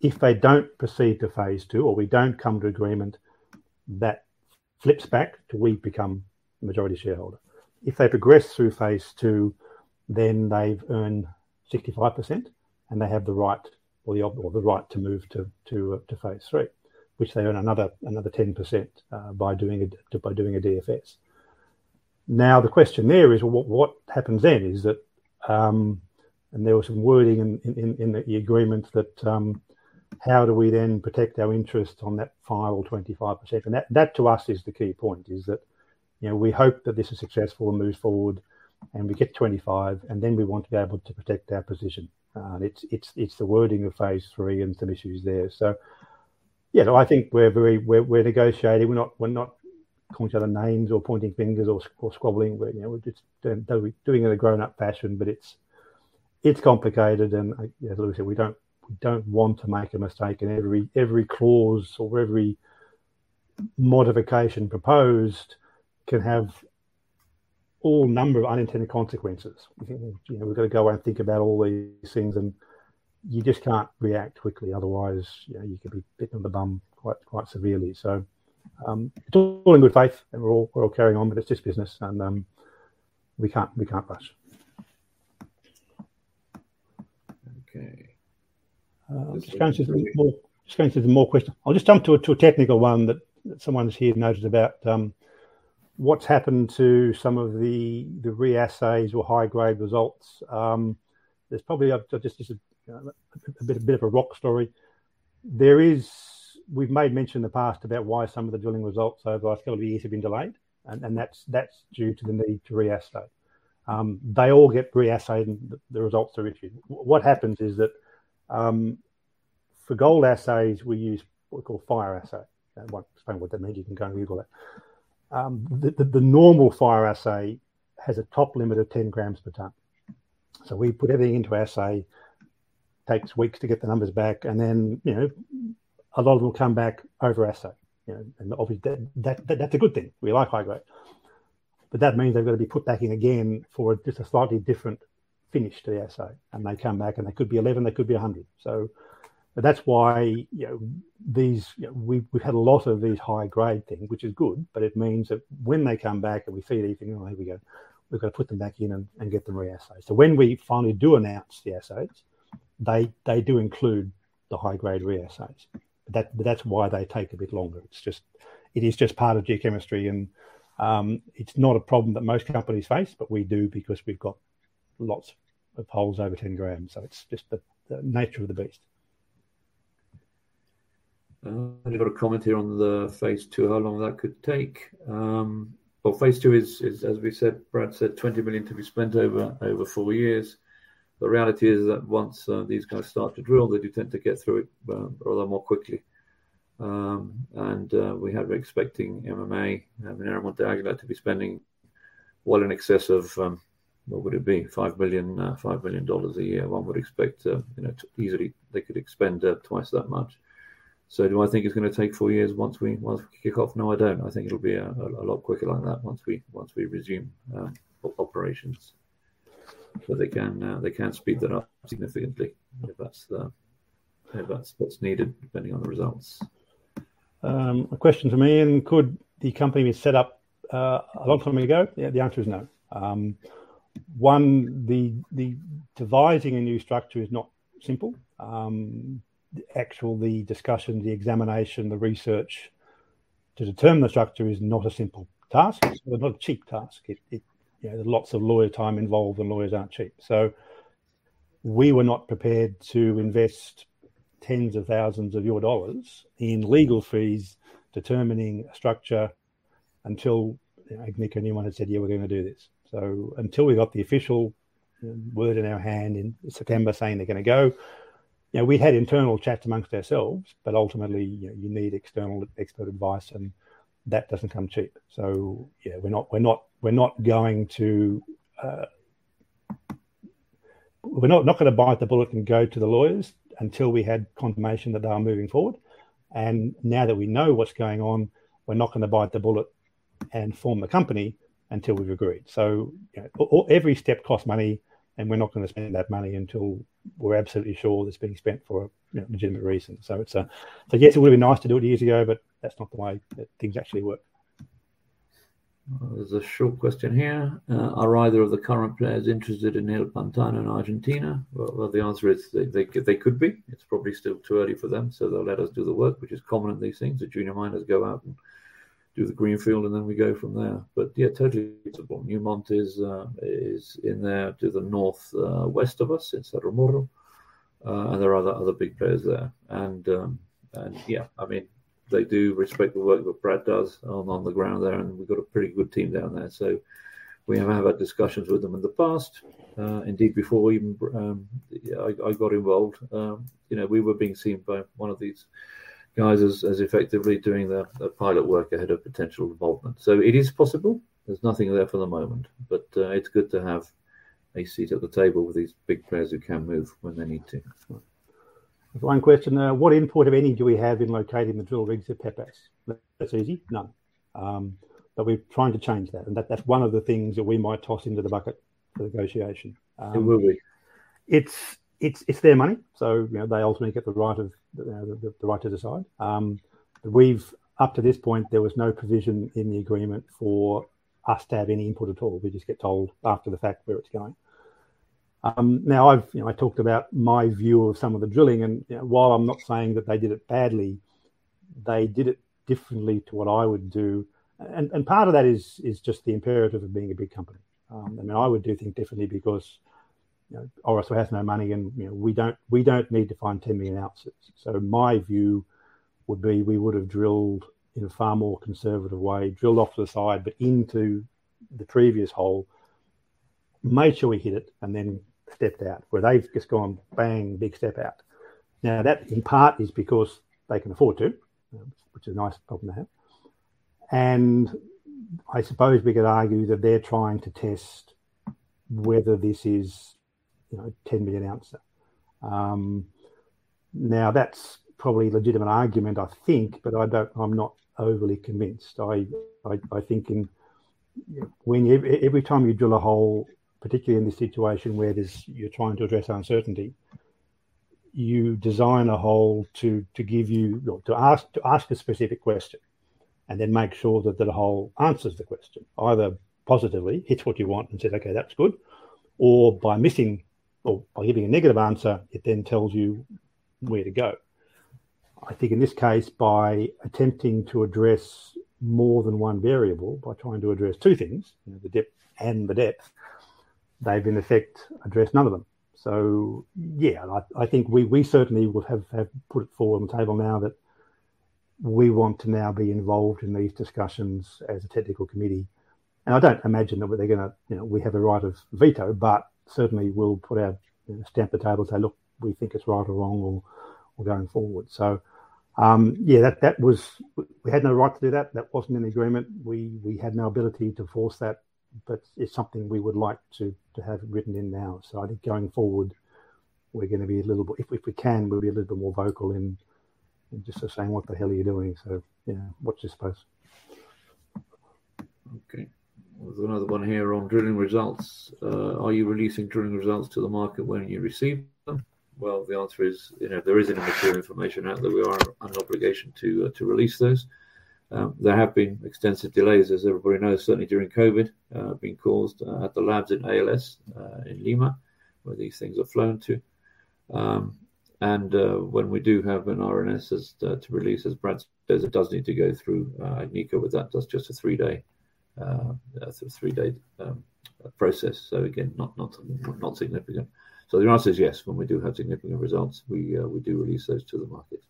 If they don't proceed to phase II or we don't come to agreement, that flips back to we become majority shareholder. If they progress through phase two, then they've earned 65% and they have the right to move to phase III, which they earn another 10% by doing a DFS. Now, the question there is, well, what happens then is that and there was some wording in the agreement that how do we then protect our interest on that final 25%? That to us is the key point, is that, you know, we hope that this is successful and moves forward and we get 25, and then we want to be able to protect our position. It's the wording of phase III and some issues there. You know, I think we're negotiating. We're not calling each other names or pointing fingers or squabbling. You know, we're just doing it in a grown-up fashion, but it's complicated and, as Luke said, we don't want to make a mistake. Every clause or every modification proposed can have all number of unintended consequences. We think, you know, we've got to go away and think about all these things and you just can't react quickly, otherwise, you know, you could be bit on the bum quite severely. It's all in good faith and we're all carrying on, but it's just business and we can't rush. I'm just going through some more questions. I'll just jump to a technical one that someone's here noted about what's happened to some of the reassays or high-grade results. There's probably just a bit of a rock story. We've made mention in the past about why some of the drilling results over the last couple of years have been delayed and that's due to the need to re-assay. They all get re-assayed and the results are issued. What happens is that for gold assays, we use what we call fire assay. I won't explain what that means. You can go and Google it. The normal fire assay has a top limit of 10 grams per ton. We put everything into assay. It takes weeks to get the numbers back and then, you know, a lot of them come back over assay, you know. Obviously that's a good thing. We like high grade. That means they've got to be put back in again for just a slightly different finish to the assay. They come back and they could be 11, they could be 100. That's why, you know, we've had a lot of these high grade things, which is good, but it means that when they come back and we see anything, oh, here we go, we've got to put them back in and get them reassayed. When we finally do announce the assays, they do include the high grade reassays. That's why they take a bit longer. It's just part of geochemistry and it's not a problem that most companies face, but we do because we've got lots of holes over 10 grams. It's just the nature of the beast.
I've got a comment here on the phase two, how long that could take. Well, phase II is, as we said, Brad said, $20 million to be spent over 4 years. The reality is that once these guys start to drill, they do tend to get through it a little more quickly. We have been expecting MMA, Minera Monte Águila, to be spending well in excess of what would it be? $5 billion a year. One would expect, you know, easily they could expend twice that much. Do I think it's gonna take 4 years once we kick off? No, I don't. I think it'll be a lot quicker than that once we resume operations. They can speed that up significantly if that's what's needed, depending on the results.
A question for me. Could the company be set up a long time ago? Yeah, the answer is no. One, the devising a new structure is not simple. The actual discussion, the examination, the research to determine the structure is not a simple task. It's not a cheap task. You know, there are lots of lawyer time involved and lawyers aren't cheap. We were not prepared to invest tens of thousands of USD in legal fees determining a structure until, you know, Agnico and Newmont had said, "Yeah, we're gonna do this." Until we got the official word in our hand in September saying they're gonna go, you know, we had internal chats amongst ourselves, but ultimately, you know, you need external expert advice and that doesn't come cheap. Yeah, we're not going to bite the bullet and go to the lawyers until we had confirmation that they are moving forward. Now that we know what's going on, we're not gonna bite the bullet and form the company until we've agreed. You know, or every step costs money, and we're not gonna spend that money until we're absolutely sure that it's being spent for, you know, a legitimate reason. Yes, it would've been nice to do it years ago, but that's not the way that things actually work.
There's a short question here. Are either of the current players interested in El Pantano in Argentina? Well, the answer is they could be. It's probably still too early for them, so they'll let us do the work, which is common in these things. The junior miners go out and do the greenfield, and then we go from there. Yeah, totally usable. Newmont is in there to the north, west of us in Cerro Moro. There are other big players there. Yeah, I mean, they do respect the work that Brad does on the ground there, and we've got a pretty good team down there. We have had discussions with them in the past. Indeed before we even, I got involved, you know, we were being seen by one of these guys as effectively doing the pilot work ahead of potential involvement. It is possible. There's nothing there for the moment, but it's good to have a seat at the table with these big players who can move when they need to.
One question. What input, if any, do we have in locating the drill rigs at Pepas? That's easy. None. We're trying to change that, and that's one of the things that we might toss into the bucket for negotiation.
It will be.
It's their money, so, you know, they ultimately get the right to decide. Up to this point, there was no provision in the agreement for us to have any input at all. We just get told after the fact where it's going. Now I've, you know, I talked about my view of some of the drilling and, you know, while I'm not saying that they did it badly, they did it differently to what I would do. Part of that is just the imperative of being a big company. I mean, I would do things differently because, you know, Orosur has no money and, you know, we don't need to find 10 million ounces. My view would be, we would've drilled in a far more conservative way, drilled off to the side, but into the previous hole, made sure we hit it, and then stepped out, where they've just gone, bang, big step out. Now that in part is because they can afford to, which is a nice problem to have. I suppose we could argue that they're trying to test whether this is, you know, 10 million ounce. Now that's probably a legitimate argument I think, but I don't. I'm not overly convinced. I think in... When every time you drill a hole, particularly in this situation where you're trying to address uncertainty, you design a hole to give you, or to ask a specific question, and then make sure that the hole answers the question, either positively, hits what you want, and says, "Okay, that's good." Or by missing or by giving a negative answer, it then tells you where to go. I think in this case, by attempting to address more than one variable, by trying to address two things, you know, the depth, they've in effect addressed none of them. Yeah, I think we certainly would have put it forward on the table now that we want to now be involved in these discussions as a technical committee. I don't imagine that they're gonna, you know, we have a right of veto, but certainly we'll put our, you know, slam on the table and say, "Look, we think it's right or wrong or going forward." That was. We had no right to do that. That wasn't in the agreement. We had no ability to force that, but it's something we would like to have written in now. I think going forward we're gonna be a little bit. If we can, we'll be a little bit more vocal in just sort of saying, "What the hell are you doing?" You know, watch this space.
Okay. There's another one here on drilling results. Are you releasing drilling results to the market when you receive them? Well, the answer is, you know, if there is enough material information out there, we are under obligation to release those. There have been extensive delays, as everybody knows, certainly during COVID, being caused at the labs in ALS in Lima, where these things are flown to. When we do have an RNS to release, as Brad says, it does need to go through Agnico, but that does just a 3-day sort of 3-day process. Again, not significant. The answer is yes. When we do have significant results, we do release those to the market.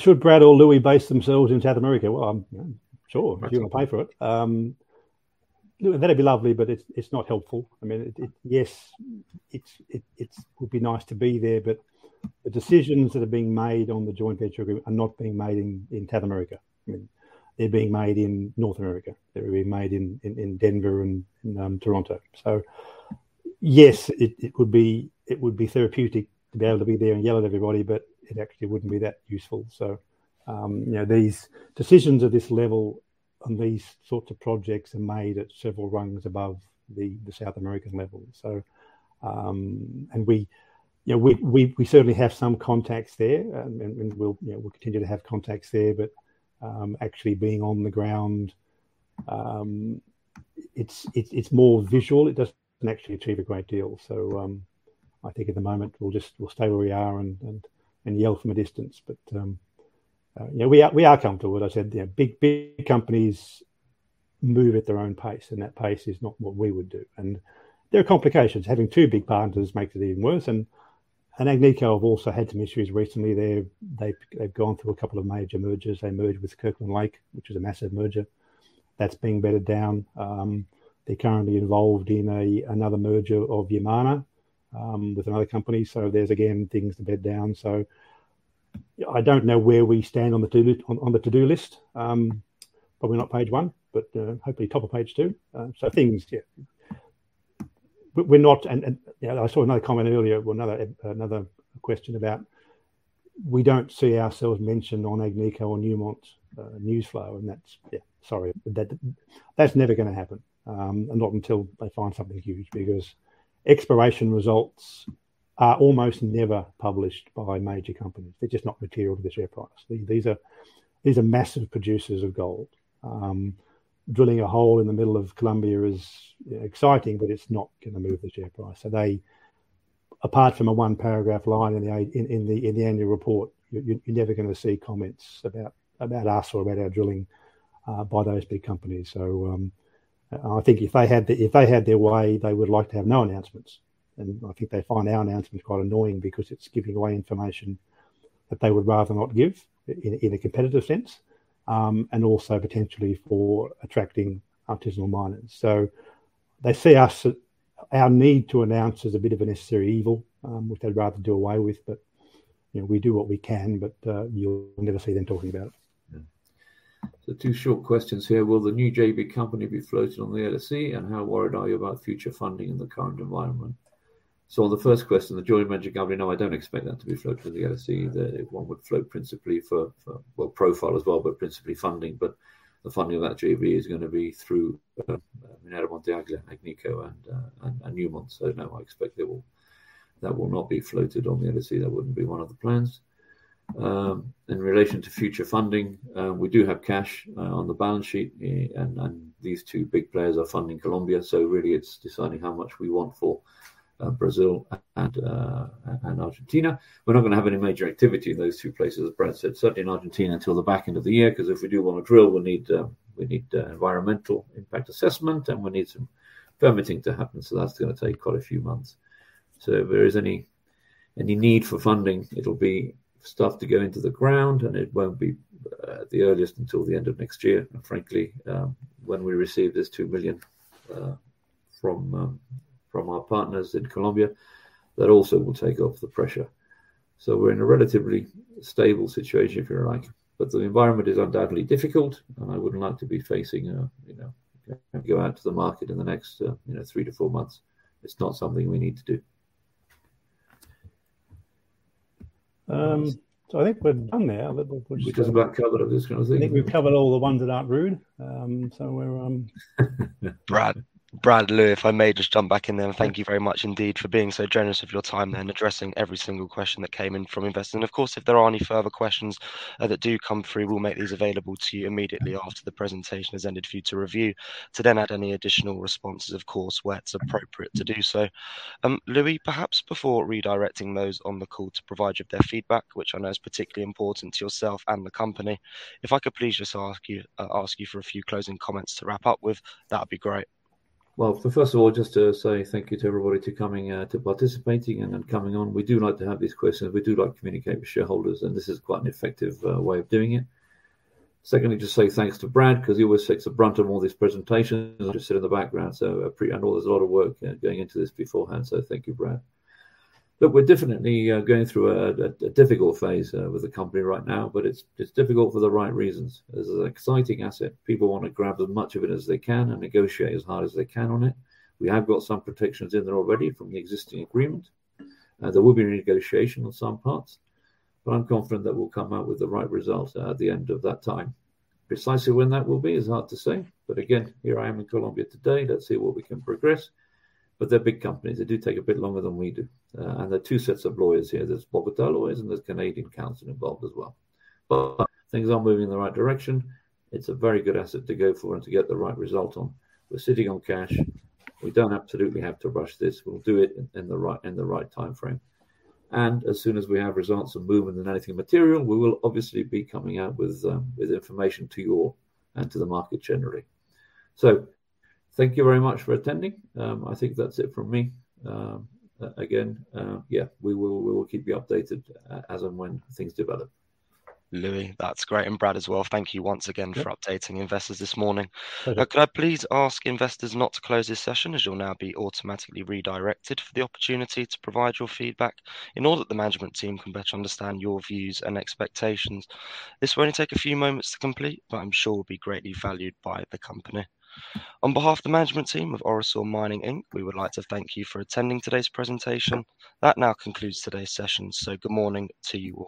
Should Brad or Louis base themselves in South America? Well, I'm, you know, sure.
Absolutely.
If you wanna pay for it. That'd be lovely, but it's not helpful. I mean. Yes, it would be nice to be there, but the decisions that are being made on the joint venture agreement are not being made in South America. I mean, they're being made in North America. They're being made in Denver and in Toronto. Yes, it would be therapeutic to be able to be there and yell at everybody, but it actually wouldn't be that useful. You know, these decisions at this level on these sorts of projects are made at several rungs above the South American level. You know, we certainly have some contacts there, and we'll continue to have contacts there. Actually being on the ground, it's more visual. It doesn't actually achieve a great deal. I think at the moment we'll just stay where we are and yell from a distance. You know, we are comfortable. As I said, you know, big companies move at their own pace, and that pace is not what we would do. There are complications. Having two big partners makes it even worse. Agnico have also had some issues recently. They've gone through a couple of major mergers. They merged with Kirkland Lake, which was a massive merger. That's been bedded down. They're currently involved in another merger of Yamana with another company. There's again things to bed down. I don't know where we stand on the to-do list. Probably not page one, but hopefully top of page two. Things, yeah. You know, I saw another comment earlier or another question about we don't see ourselves mentioned on Agnico or Newmont's news flow, and that's yeah, sorry. That's never gonna happen. Not until they find something huge, because exploration results are almost never published by major companies. They're just not material to the share price. These are massive producers of gold. Drilling a hole in the middle of Colombia is exciting, but it's not gonna move the share price. They, apart from a one paragraph line in the annual report, you're never gonna see comments about us or about our drilling by those big companies. I think if they had their way, they would like to have no announcements. I think they find our announcements quite annoying because it's giving away information that they would rather not give in a competitive sense, and also potentially for attracting artisanal miners. They see our need to announce as a bit of a necessary evil, which they'd rather do away with. You know, we do what we can, but you'll never see them talking about it.
Two short questions here. Will the new JV company be floated on the LSE? And how worried are you about future funding in the current environment? The first question, the joint venture company, no, I don't expect that to be floated on the LSE. One would float principally for profile as well, but principally funding. The funding of that JV is gonna be through Minera Monte Águila, Agnico and Newmont. No, I expect it will not be floated on the LSE. That wouldn't be one of the plans. In relation to future funding, we do have cash on the balance sheet and these two big players are funding Colombia, so really it's deciding how much we want for Brazil and Argentina. We're not gonna have any major activity in those two places, as Brad said, certainly not Argentina until the back end of the year, 'cause if we do wanna drill, we'll need environmental impact assessment, and we'll need some permitting to happen. That's gonna take quite a few months. If there is any need for funding, it'll be stuff to go into the ground, and it won't be at the earliest until the end of next year. Frankly, when we receive this $2 million from our partners in Colombia, that also will take off the pressure. We're in a relatively stable situation, if you like, but the environment is undoubtedly difficult, and I wouldn't like to be facing a, you know, have to go out to the market in the next, you know, 3-4 months. It's not something we need to do.
I think we're done now.
We've just about covered everything.
I think we've covered all the ones that aren't rude. We're
Brad, Louis, if I may just jump back in there. Thank you very much indeed for being so generous with your time then, addressing every single question that came in from investors. Of course, if there are any further questions that do come through, we'll make these available to you immediately after the presentation has ended for you to review to then add any additional responses, of course, where it's appropriate to do so. Louis, perhaps before redirecting those on the call to provide you with their feedback, which I know is particularly important to yourself and the company, if I could please just ask you for a few closing comments to wrap up with, that would be great.
Well, first of all, just to say thank you to everybody for coming to participating and coming on. We do like to have these questions. We do like communicating with shareholders, and this is quite an effective way of doing it. Secondly, just say thanks to Brad 'cause he always takes the brunt of all these presentations. I just sit in the background, so I appreciate. I know there's a lot of work going into this beforehand, so thank you, Brad. Look, we're definitely going through a difficult phase with the company right now, but it's difficult for the right reasons. This is an exciting asset. People wanna grab as much of it as they can and negotiate as hard as they can on it. We have got some protections in there already from the existing agreement, and there will be a negotiation on some parts, but I'm confident that we'll come out with the right result at the end of that time. Precisely when that will be is hard to say, but again, here I am in Colombia today. Let's see what we can progress. They're big companies. They do take a bit longer than we do. There are two sets of lawyers here. There's Bogotá lawyers, and there's Canadian counsel involved as well. Things are moving in the right direction. It's a very good asset to go for and to get the right result on. We're sitting on cash. We don't absolutely have to rush this. We'll do it in the right timeframe. As soon as we have results and movement in anything material, we will obviously be coming out with information to you all and to the market generally. Thank you very much for attending. I think that's it from me. Again, we will keep you updated as and when things develop.
Louis, that's great, and Brad as well, thank you once again for updating investors this morning.
Pleasure.
Could I please ask investors not to close this session as you'll now be automatically redirected for the opportunity to provide your feedback in order that the management team can better understand your views and expectations. This will only take a few moments to complete, but I'm sure will be greatly valued by the company. On behalf of the management team of Orosur Mining Inc., we would like to thank you for attending today's presentation. That now concludes today's session, so good morning to you all.